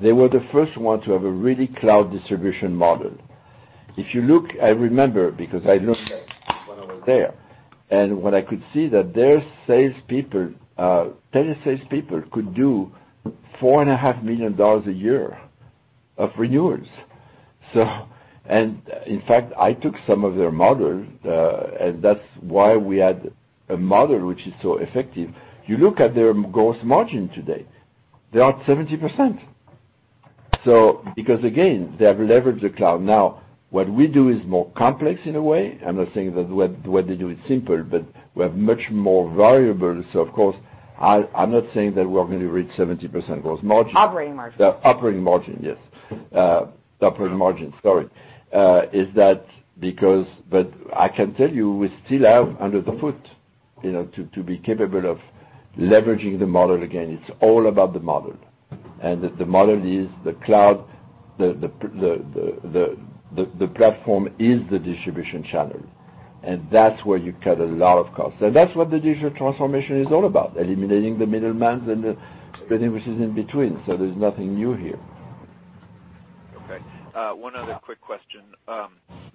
They were the first one to have a really cloud distribution model. If you look, I remember because I looked at it when I was there, what I could see that their salespeople, 10 salespeople could do $4.5 million a year of renewals. In fact, I took some of their models, and that's why we had a model which is so effective. You look at their gross margin today, they are at 70%. Because again, they have leveraged the cloud. Now what we do is more complex in a way. I'm not saying that what they do is simple, but we have much more variables. Of course, I'm not saying that we are going to reach 70% gross margin. Operating margin. Operating margin, yes. Operating margin, sorry. I can tell you, we still have under the foot to be capable of leveraging the model again. It's all about the model. The model is the cloud, the platform is the distribution channel. That's where you cut a lot of costs. That's what the digital transformation is all about, eliminating the middleman and the businesses in between. There's nothing new here. Okay. One other quick question.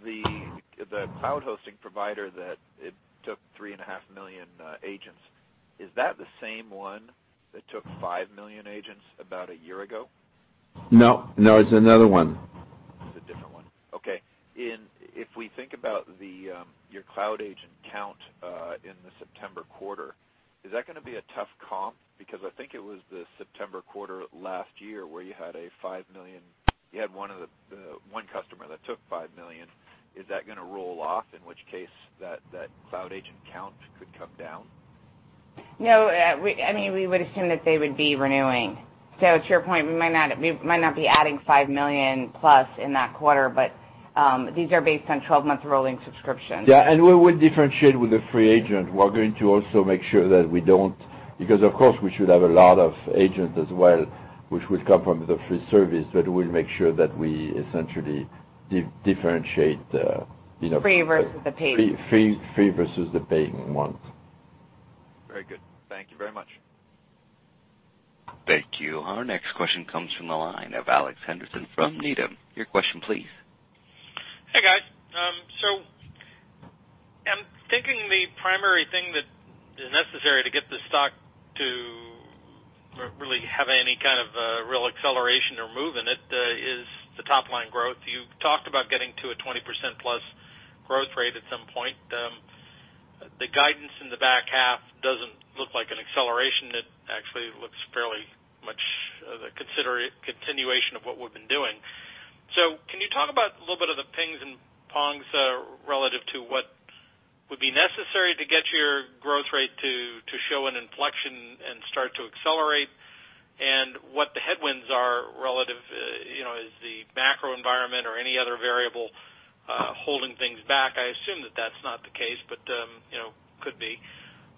The cloud hosting provider that took 3.5 million agents, is that the same one that took 5 million agents about a year ago? No, it's another one. It's a different one. Okay. If we think about your Cloud Agent count in the September quarter, is that going to be a tough comp? Because I think it was the September quarter last year where you had one customer that took $5 million. Is that going to roll off? In which case, that Cloud Agent count could come down. No. We would assume that they would be renewing. To your point, we might not be adding $5+ million in that quarter, but these are based on 12-month rolling subscriptions. Yeah. We will differentiate with the free agent. We are going to also make sure that we don't, because, of course, we should have a lot of agents as well, which will come from the free service, but we'll make sure that we essentially differentiate- Free versus the paid. Free versus the paying ones. Very good. Thank you very much. Thank you. Our next question comes from the line of Alex Henderson from Needham. Your question, please. Hey, guys. I'm thinking the primary thing that is necessary to get the stock to really have any kind of real acceleration or move in it is the top-line growth. You talked about getting to a 20%+ growth rate at some point. The guidance in the back half doesn't look like an acceleration. It actually looks fairly much of a continuation of what we've been doing. Can you talk about a little bit of the pings and pongs relative to what would be necessary to get your growth rate to show an inflection and start to accelerate, and what the headwinds are relative, is the macro environment or any other variable holding things back? I assume that that's not the case, but could be.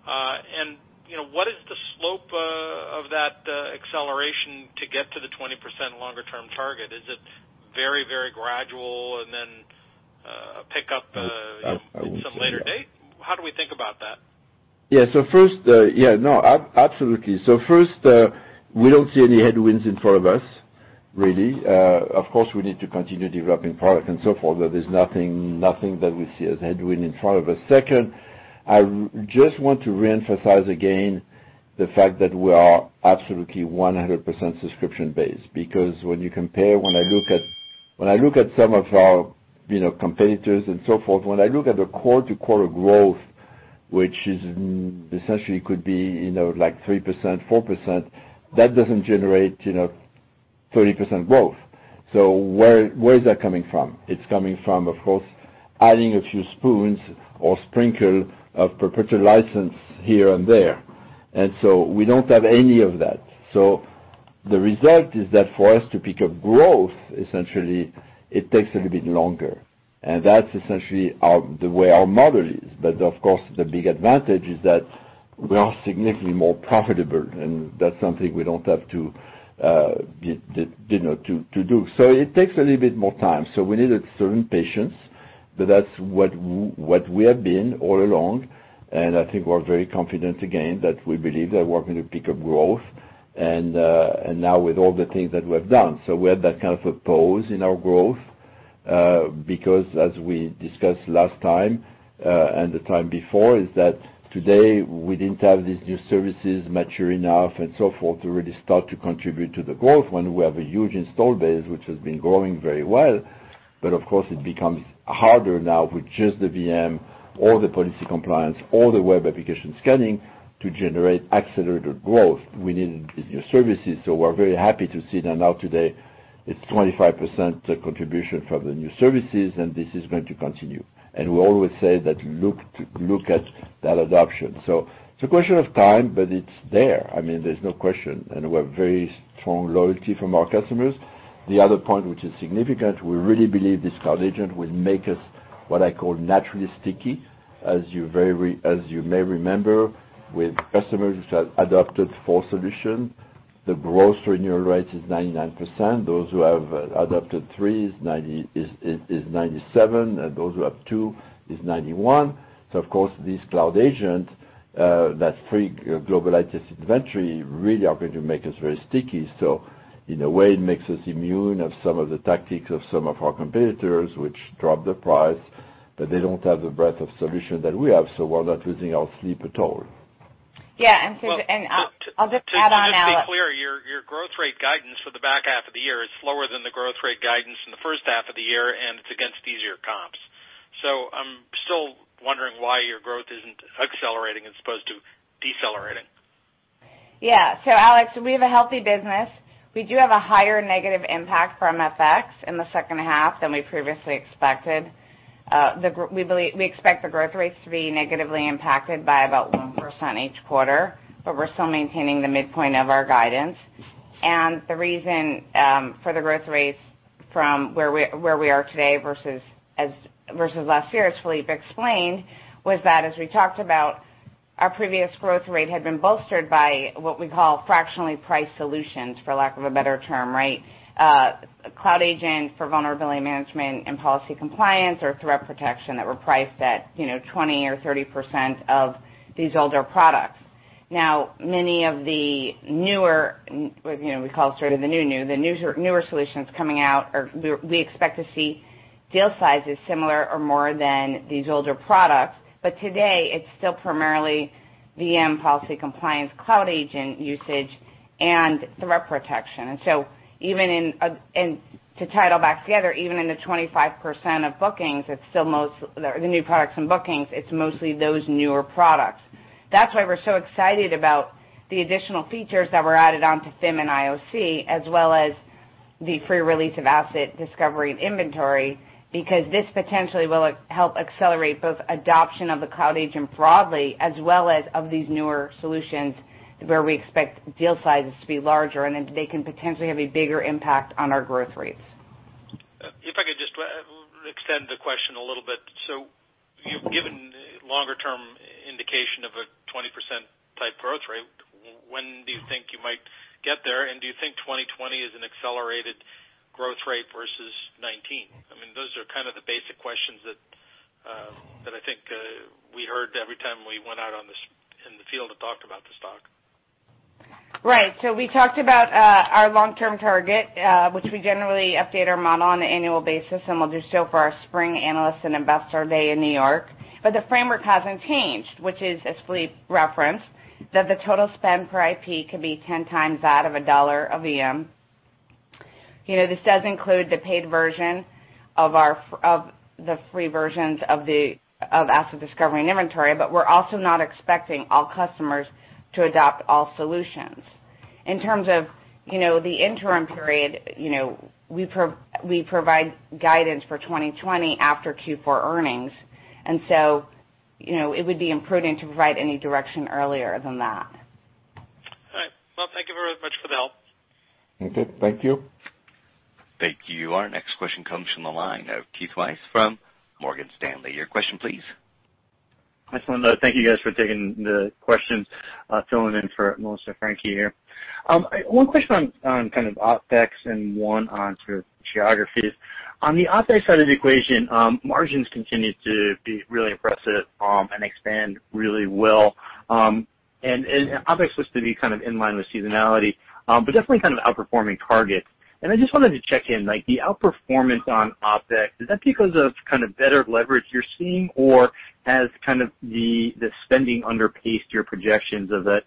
What is the slope of that acceleration to get to the 20% longer-term target? Is it very, very gradual and then pick up at some later date? How do we think about that? Yeah. No, absolutely. First, we don't see any headwinds in front of us, really. Of course, we need to continue developing product and so forth, but there's nothing that we see as headwind in front of us. Second, I just want to reemphasize again the fact that we are absolutely 100% subscription-based. When you compare, when I look at some of our competitors and so forth, when I look at the quarter-to-quarter growth, which essentially could be 3%, 4%, that doesn't generate 30% growth. Where is that coming from? It's coming from, of course, adding a few spoons or sprinkle of perpetual license here and there. We don't have any of that. The result is that for us to pick up growth, essentially, it takes a little bit longer. That's essentially the way our model is. Of course, the big advantage is that we are significantly more profitable, and that's something we don't have to do. It takes a little bit more time. We needed certain patience, that's what we have been all along, and I think we're very confident again that we believe that we're going to pick up growth, and now with all the things that we have done. We had that kind of a pause in our growth. As we discussed last time and the time before is that today we didn't have these new services mature enough and so forth to really start to contribute to the growth when we have a huge install base, which has been growing very well. Of course, it becomes harder now with just the VM, all the Policy Compliance, all the Web Application Scanning to generate accelerated growth. We need the new services. We're very happy to see that now today it's 25% contribution from the new services, and this is going to continue. We always say that look at that adoption. It's a question of time, but it's there. There's no question. We have very strong loyalty from our customers. The other point, which is significant, we really believe this Cloud Agent will make us what I call naturally sticky. As you may remember, with customers which have adopted four solution, the growth renewal rate is 99%. Those who have adopted three is 97%, and those who have two is 91%. Of course, these Cloud Agents, that free Global Asset Inventory really are going to make us very sticky. In a way, it makes us immune of some of the tactics of some of our competitors, which drop the price. They don't have the breadth of solution that we have. We're not losing our sleep at all. Yeah, and I'll just add on, Alex. To just be clear, your growth rate guidance for the back half of the year is slower than the growth rate guidance in the first half of the year, and it's against easier comps. I'm still wondering why your growth isn't accelerating as opposed to decelerating. Alex, we have a healthy business. We do have a higher negative impact from FX in the second half than we previously expected. We expect the growth rates to be negatively impacted by about 1% each quarter, but we're still maintaining the midpoint of our guidance. The reason for the growth rates from where we are today versus last year, as Philippe explained, was that as we talked about, our previous growth rate had been bolstered by what we call fractionally priced solutions, for lack of a better term, right? Cloud Agent for Vulnerability Management and Policy Compliance or Threat Protection that were priced at 20% or 30% of these older products. Now many of the newer, we call sort of the new new, the newer solutions coming out, we expect to see deal sizes similar or more than these older products. Today it's still primarily VM Policy Compliance, Cloud Agent usage, and Threat Protection. To tie it all back together, even in the 25% of bookings, the new products and bookings, it's mostly those newer products. That's why we're so excited about the additional features that were added onto FIM and IOC, as well as the free release of Asset Discovery and Inventory, because this potentially will help accelerate both adoption of the Cloud Agent broadly as well as of these newer solutions where we expect deal sizes to be larger and they can potentially have a bigger impact on our growth rates. If I could just extend the question a little bit. You've given longer term indication of a 20%-type growth rate. When do you think you might get there? Do you think 2020 is an accelerated growth rate versus 2019? Those are kind of the basic questions that I think we heard every time we went out in the field to talk about the stock. Right. We talked about our long-term target, which we generally update our model on an annual basis, and we'll do so for our spring Analyst and Investor Day in New York. The framework hasn't changed, which is as Philippe referenced, that the total spend per IP could be 10x that of $1 a VM. This does include the paid version of the free versions of Asset Discovery and Inventory. We're also not expecting all customers to adopt all solutions. In terms of the interim period, we provide guidance for 2020 after Q4 earnings. It would be imprudent to provide any direction earlier than that. All right. Well, thank you very much for the help. Okay. Thank you. Thank you. Our next question comes from the line of Keith Weiss from Morgan Stanley. Your question, please. I just want to thank you guys for taking the questions, filling in for Melissa Franchi here. One question on kind of OpEx and one on sort of geographies. On the OpEx side of the equation, margins continued to be really impressive and expand really well. OpEx was to be kind of in line with seasonality, but definitely kind of outperforming targets. I just wanted to check in, like the outperformance on OpEx, is that because of kind of better leverage you're seeing or has kind of the spending underpaced your projections of it,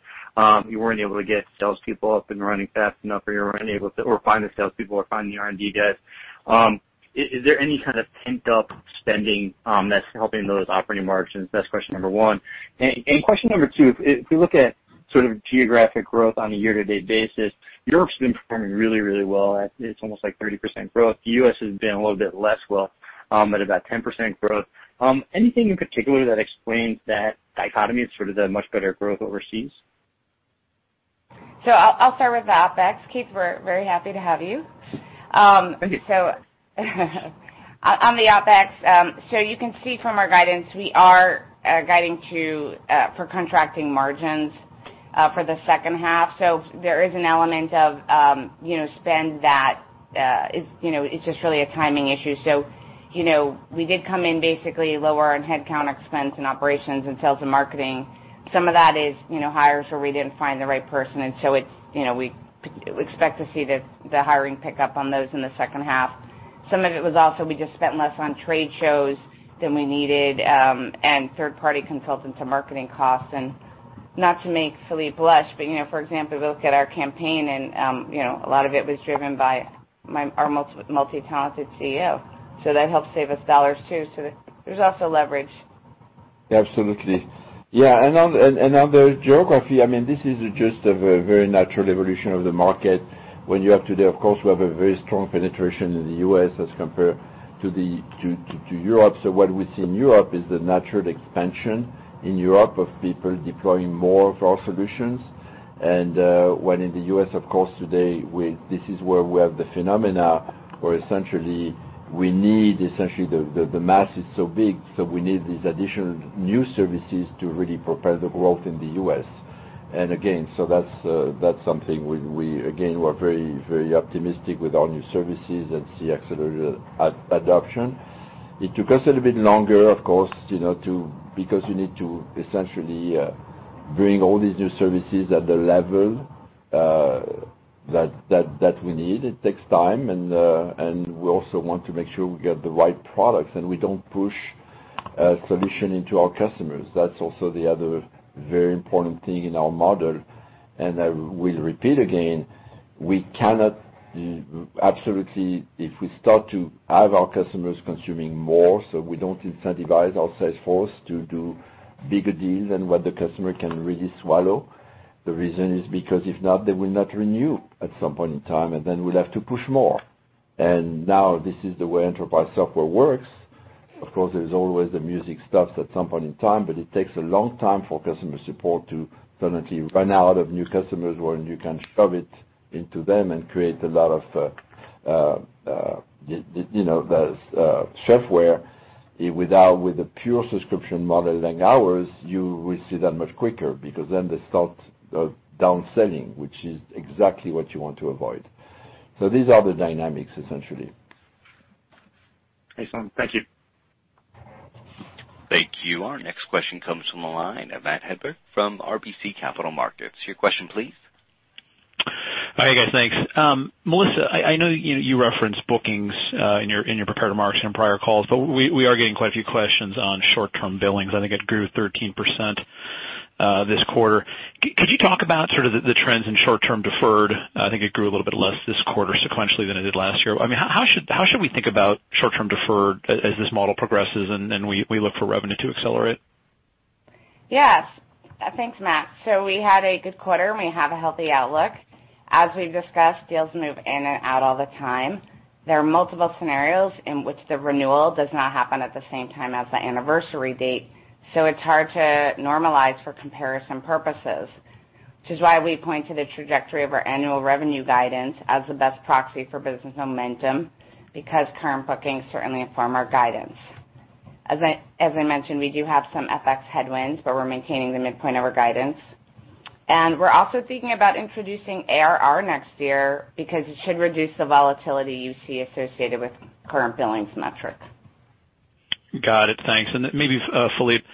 you weren't able to get salespeople up and running fast enough or you were unable to, or find the salespeople or find the R&D guys. Is there any kind of pent-up spending that's helping those operating margins? That's question number one. Question number two, if we look at sort of geographic growth on a year-to-date basis, Europe's been performing really, really well. It's almost like 30% growth. The U.S. has been a little bit less well, at about 10% growth. Anything in particular that explains that dichotomy of sort of the much better growth overseas? I'll start with the OpEx. Keith, we're very happy to have you. Thank you. On the OpEx, you can see from our guidance, we are guiding for contracting margins for the second half. There is an element of spend that is just really a timing issue. We did come in basically lower on headcount expense and operations and sales and marketing. Some of that is hires where we didn't find the right person, and so we expect to see the hiring pick up on those in the second half. Some of it was also, we just spent less on trade shows than we needed, and third-party consultants and marketing costs. Not to make Philippe blush, but for example, if you look at our campaign and a lot of it was driven by our multi-talented CEO. That helped save us dollars, too. There's also leverage. Absolutely. Yeah. On the geography, this is just a very natural evolution of the market when you have today, of course, we have a very strong penetration in the U.S. as compared to Europe. What we see in Europe is the natural expansion in Europe of people deploying more of our solutions. When in the U.S., of course, today, this is where we have the phenomena, where essentially the mass is so big, so we need these additional new services to really propel the growth in the U.S. Again, that's something we're very optimistic with our new services and see accelerated adoption. It took us a little bit longer, of course, because you need to essentially bring all these new services at the level that we need. It takes time and we also want to make sure we get the right products, and we don't push a solution into our customers. That's also the other very important thing in our model. I will repeat again, we cannot absolutely, if we start to add our customers consuming more, so we don't incentivize our sales force to do bigger deals than what the customer can really swallow. The reason is because if not, they will not renew at some point in time, and then we'll have to push more. Now this is the way enterprise software works. Of course, there's always the music stops at some point in time. It takes a long time for customer support to suddenly run out of new customers when you can shove it into them and create a lot of shelfwear without, with a pure subscription model like ours, you will see that much quicker because then they start down selling, which is exactly what you want to avoid. These are the dynamics, essentially. Excellent. Thank you. Thank you. Our next question comes from the line of Matt Hedberg from RBC Capital Markets. Your question, please. Hi, guys. Thanks. Melissa, I know you referenced bookings in your prepared remarks and on prior calls, but we are getting quite a few questions on short-term billings. I think it grew 13% this quarter. Could you talk about sort of the trends in short-term deferred? I think it grew a little bit less this quarter sequentially than it did last year. How should we think about short-term deferred as this model progresses and we look for revenue to accelerate? Yes. Thanks, Matt. We had a good quarter, and we have a healthy outlook. As we've discussed, deals move in and out all the time. There are multiple scenarios in which the renewal does not happen at the same time as the anniversary date, so it's hard to normalize for comparison purposes, which is why we point to the trajectory of our annual revenue guidance as the best proxy for business momentum, because current bookings certainly inform our guidance. As I mentioned, we do have some FX headwinds, but we're maintaining the midpoint of our guidance. We're also thinking about introducing ARR next year because it should reduce the volatility you see associated with current billings metric. Got it. Thanks. Maybe, Philippe,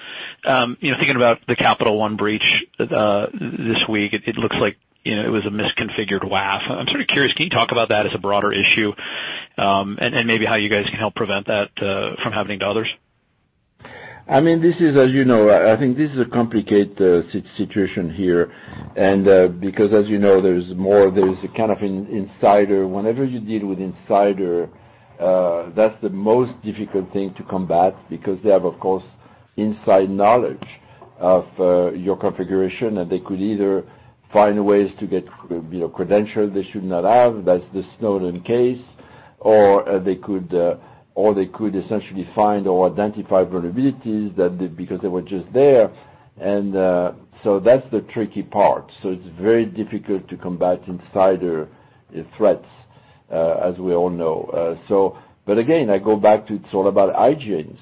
thinking about the Capital One breach this week, it looks like it was a misconfigured WAF. I'm sort of curious, can you talk about that as a broader issue, and maybe how you guys can help prevent that from happening to others? I think this is a complicated situation here, and because as you know, there's a kind of insider. Whenever you deal with insider, that's the most difficult thing to combat because they have, of course, inside knowledge of your configuration, and they could either find ways to get credentials they should not have. That's the Snowden case. Or they could essentially find or identify vulnerabilities because they were just there. That's the tricky part. It's very difficult to combat insider threats, as we all know. Again, I go back to it's all about hygiene.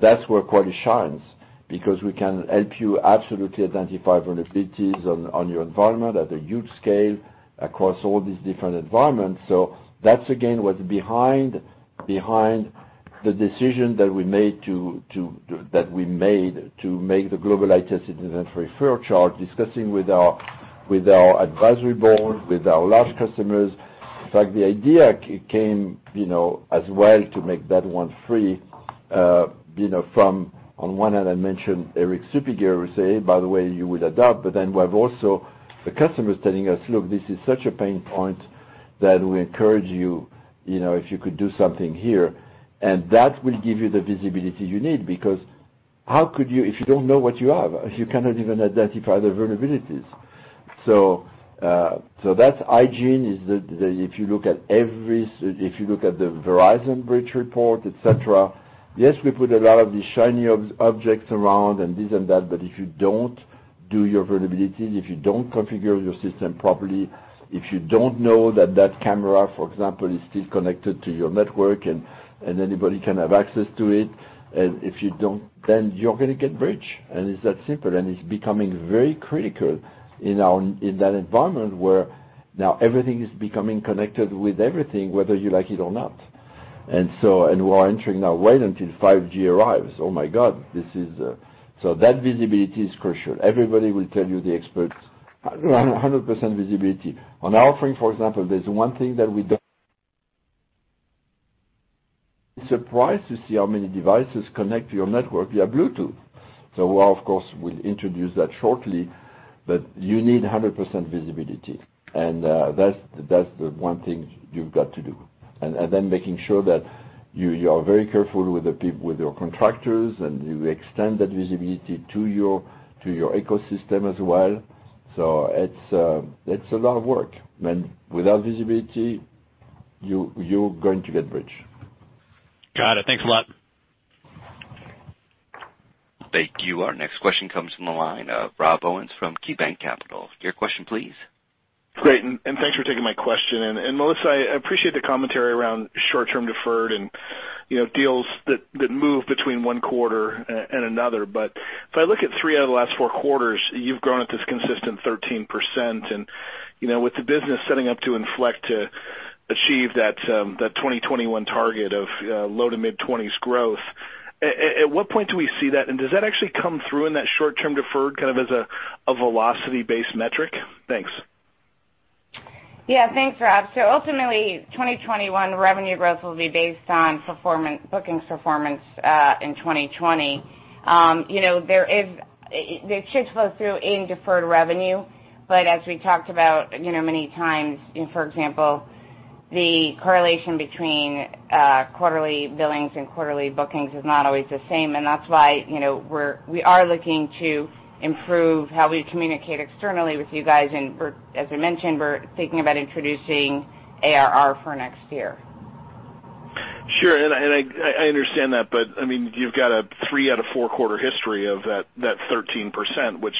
That's where Qualys shines, because we can help you absolutely identify vulnerabilities on your environment at a huge scale across all these different environments. That's again, what's behind the decision that we made to make the Global IT Asset Inventory free of charge, discussing with our advisory board, with our large customers. In fact, the idea came as well to make that one free from, on one hand, I mentioned Erik Suppiger would say, "By the way, you would adopt," but then we have also the customers telling us, "Look, this is such a pain point that we encourage you, if you could do something here." That will give you the visibility you need, because how could you, if you don't know what you have, if you cannot even identify the vulnerabilities? That hygiene is the, if you look at the Verizon breach report, et cetera. Yes, we put a lot of these shiny objects around and this and that, but if you don't do your vulnerabilities, if you don't configure your system properly, if you don't know that that camera, for example, is still connected to your network and anybody can have access to it. If you don't, then you're going to get breached. It's that simple. It's becoming very critical in that environment where now everything is becoming connected with everything, whether you like it or not. We are entering now, wait until 5G arrives. Oh, my God. That visibility is crucial. Everybody will tell you, the experts, 100% visibility. On our offering, for example, there's one thing that (audio distortion) surprised to see how many devices connect to your network via Bluetooth. We, of course, will introduce that shortly, but you need 100% visibility. That's the one thing you've got to do. Then making sure that you are very careful with your contractors, and you extend that visibility to your ecosystem as well. It's a lot of work. Without visibility, you're going to get breached. Got it. Thanks a lot. Thank you. Our next question comes from the line of Rob Owens from KeyBanc Capital. Your question, please. Great, and thanks for taking my question. Melissa, I appreciate the commentary around short-term deferred and deals that move between one quarter and another. If I look at three out of the last four quarters, you've grown at this consistent 13%. With the business setting up to inflect to achieve that 2021 target of low to mid-20s growth, at what point do we see that? Does that actually come through in that short-term deferred, kind of as a velocity-based metric? Thanks. Yeah. Thanks, Rob. Ultimately, 2021 revenue growth will be based on bookings performance in 2020. It should flow through in deferred revenue. As we talked about many times, for example, the correlation between quarterly billings and quarterly bookings is not always the same. That's why we are looking to improve how we communicate externally with you guys. As we mentioned, we're thinking about introducing ARR for next year. Sure. I understand that, but you've got a three out of four quarter history of that 13%, which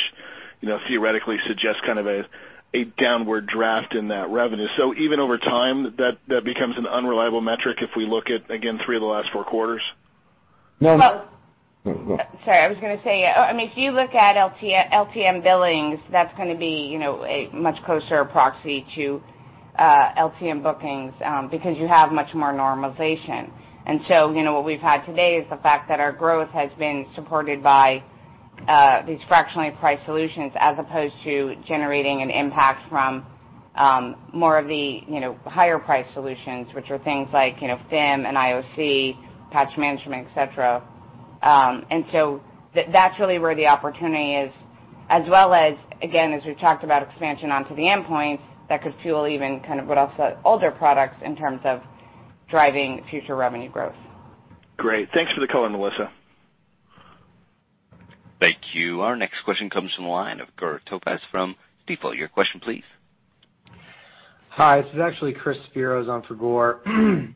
theoretically suggests kind of a downward draft in that revenue. Even over time, that becomes an unreliable metric if we look at, again, three of the last four quarters? No. Sorry, I was going to say. If you look at LTM billings, that's going to be a much closer proxy to LTM bookings because you have much more normalization. What we've had today is the fact that our growth has been supported by these fractionally priced solutions, as opposed to generating an impact from more of the higher-priced solutions, which are things like FIM and IOC, Patch Management, et cetera. That's really where the opportunity is. As well as, again, as we've talked about expansion onto the endpoints, that could fuel even kind of what else older products in terms of driving future revenue growth. Great. Thanks for the color, Melissa. Thank you. Our next question comes from the line of Gur Talpaz from Stifel. Your question, please. Hi. This is actually Chris Speros, on for Gur.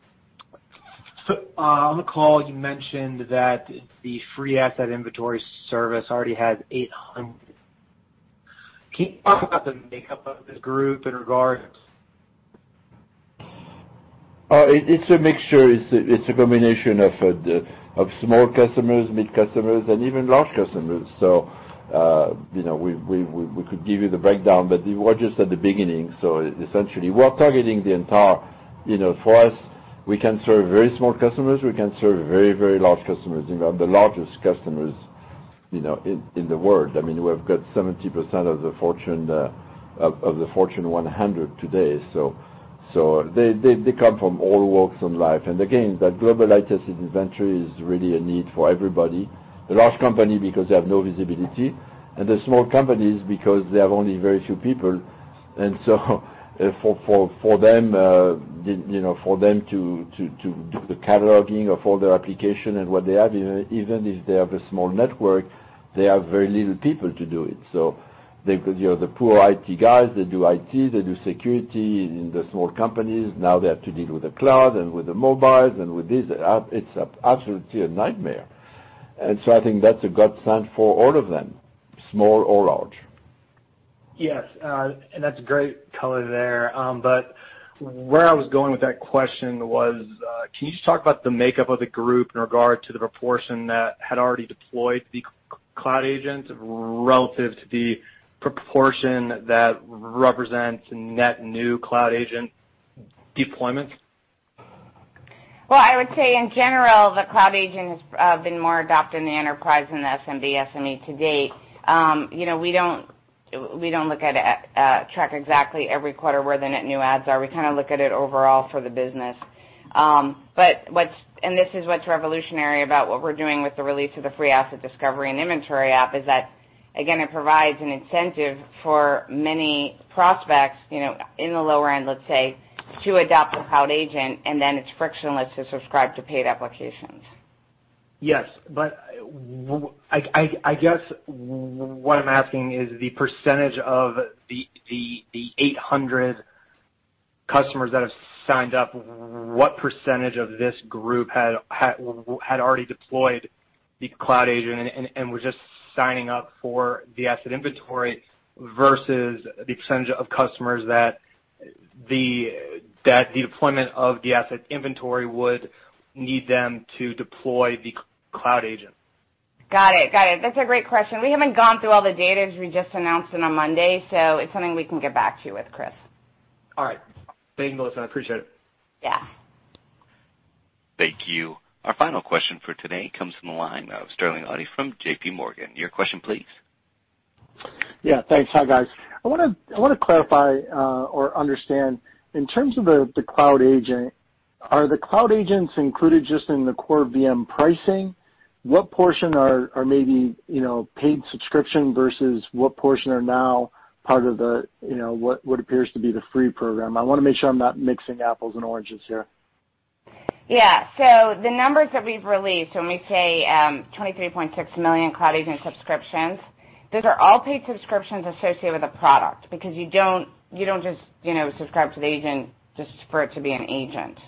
On the call, you mentioned that the free Asset Inventory service already has 800. Can you talk about the makeup of this group in regards. It's a mixture. It's a combination of small customers, mid customers, and even large customers. We could give you the breakdown, but we're just at the beginning. Essentially, we're targeting the entire. For us, we can serve very small customers, we can serve very, very large customers. We have the largest customers in the world. We've got 70% of the Fortune 100 today. They come from all walks of life. Again, that Global IT Asset Inventory is really a need for everybody. The large company because they have no visibility, and the small companies because they have only very few people. For them to do the cataloging of all their application and what they have, even if they have a small network, they have very little people to do it. The poor IT guys, they do IT, they do security in the small companies. Now they have to deal with the cloud and with the mobile and with this. It's absolutely a nightmare. I think that's a godsend for all of them, small or large. Yes. That's great color there. Where I was going with that question was, can you just talk about the makeup of the group in regard to the proportion that had already deployed the Cloud Agent relative to the proportion that represents net new Cloud Agent deployments? I would say in general, the Cloud Agent has been more adopted in the enterprise than the SMB/SME to date. We don't track exactly every quarter where the net new adds are. We kind of look at it overall for the business. This is what's revolutionary about what we're doing with the release of the free Asset Discovery and Inventory app is that, again, it provides an incentive for many prospects in the lower end, let's say, to adopt the Cloud Agent, and then it's frictionless to subscribe to paid applications. Yes. I guess what I'm asking is the percentage of the 800 customers that have signed up, what percentage of this group had already deployed the Cloud Agent and were just signing up for the Asset Inventory versus the percentage of customers that the deployment of the Asset Inventory would need them to deploy the Cloud Agent? Got it. That's a great question. We haven't gone through all the data as we just announced it on Monday, so it's something we can get back to you with, Chris. All right. Thanks, Melissa, I appreciate it. Yeah. Thank you. Our final question for today comes from the line of Sterling Auty from JPMorgan. Your question, please. Yeah, thanks. Hi, guys. I want to clarify or understand, in terms of the Cloud Agent, are the Cloud Agents included just in the core VM pricing? What portion are maybe paid subscription versus what portion are now part of what appears to be the free program? I want to make sure I'm not mixing apples and oranges here. Yeah. The numbers that we've released, when we say 23.6 million Cloud Agent subscriptions, those are all paid subscriptions associated with a product, because you don't just subscribe to the agent just for it to be an agent.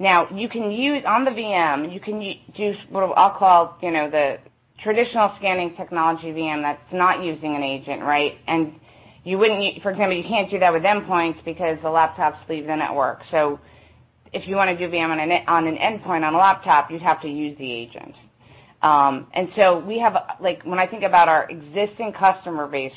Now, you can use, on the VM, you can use what I'll call the traditional scanning technology VM that's not using an agent, right? For example, you can't do that with endpoints because the laptop leaves the network. If you want to do VM on an endpoint on a laptop, you'd have to use the agent. When I think about our existing customer base,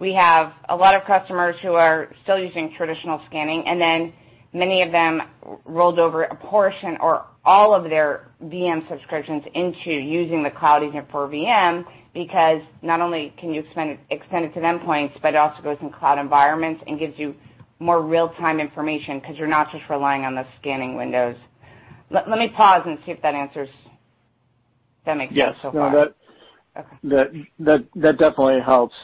we have a lot of customers who are still using traditional scanning, and then many of them rolled over a portion or all of their VM subscriptions into using the Cloud Agent for VM, because not only can you extend it to endpoints, but it also goes in cloud environments and gives you more real-time information because you're not just relying on the scanning windows. Let me pause and see if that answers, if that makes sense so far. Yes. No, that definitely helps.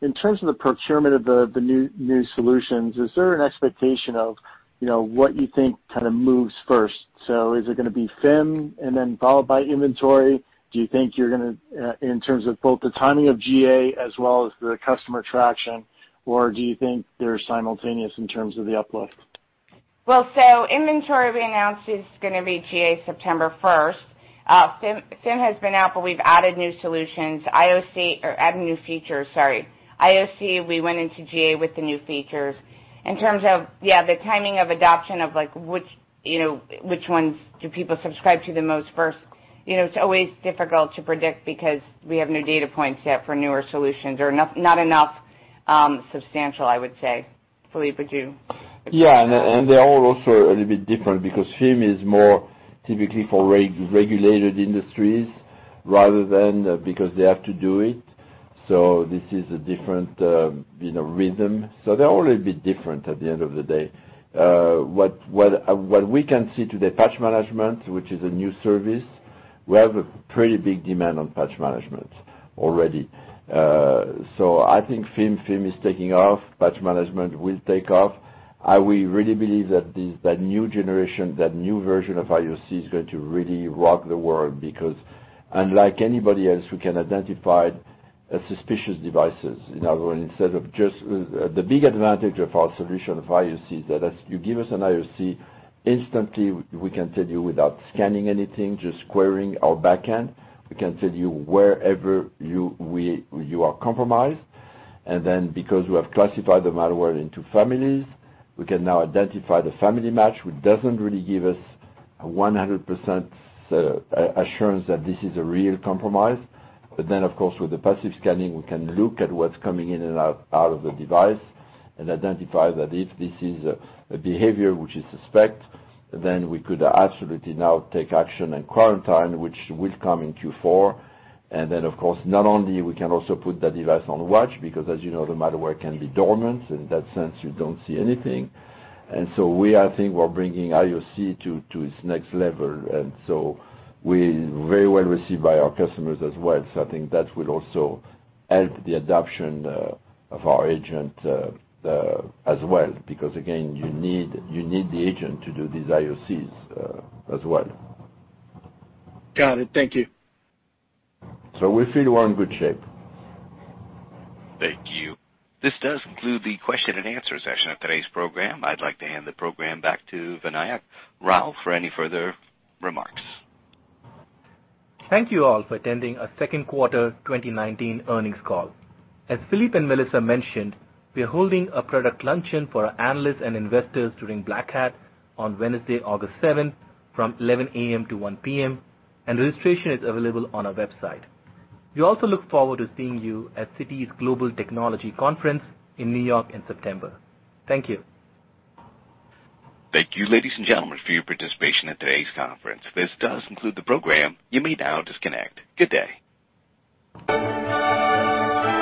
In terms of the procurement of the new solutions, is there an expectation of what you think moves first? Is it going to be FIM and then followed by inventory? Do you think in terms of both the timing of GA as well as the customer traction, or do you think they're simultaneous in terms of the uplift? Inventory we announced is going to be GA September 1st. FIM has been out, but we've added new solutions, or added new features, sorry. IOC, we went into GA with the new features. In terms of the timing of adoption of which ones do people subscribe to the most first, it's always difficult to predict because we have no data points yet for newer solutions or not enough substantial, I would say. Philippe, would you? Yeah. They're all also a little bit different because FIM is more typically for regulated industries rather than because they have to do it. This is a different rhythm. They're all a bit different at the end of the day. What we can see today, Patch Management, which is a new service, we have a pretty big demand on Patch Management already. I think FIM is taking off, Patch Management will take off. We really believe that that new generation, that new version of IOC is going to really rock the world because unlike anybody else, we can identify suspicious devices. In other words, the big advantage of our solution of IOC is that as you give us an IOC, instantly, we can tell you without scanning anything, just querying our backend, we can tell you wherever you are compromised. Because we have classified the malware into families, we can now identify the family match, which doesn't really give us 100% assurance that this is a real compromise. Of course, with the passive scanning, we can look at what's coming in and out of the device and identify that if this is a behavior which is suspect, then we could absolutely now take action and quarantine, which will come in Q4. Of course, not only we can also put that device on watch because as you know, the malware can be dormant. In that sense, you don't see anything. We, I think we're bringing IOC to its next level. We're very well-received by our customers as well. I think that will also help the adoption of our agent as well because, again, you need the agent to do these IOCs as well. Got it. Thank you. We feel we're in good shape. Thank you. This does conclude the question-and-answer session of today's program. I'd like to hand the program back to Vinayak Rao for any further remarks. Thank you all for attending our second quarter 2019 earnings call. As Philippe and Melissa mentioned, we're holding a product luncheon for our analysts and investors during Black Hat on Wednesday, August 7th from 11:00 A.M.-1:00 P.M. Registration is available on our website. We also look forward to seeing you at Citi's Global Technology Conference in New York in September. Thank you. Thank you, ladies and gentlemen, for your participation in today's conference. This does conclude the program. You may now disconnect. Good day.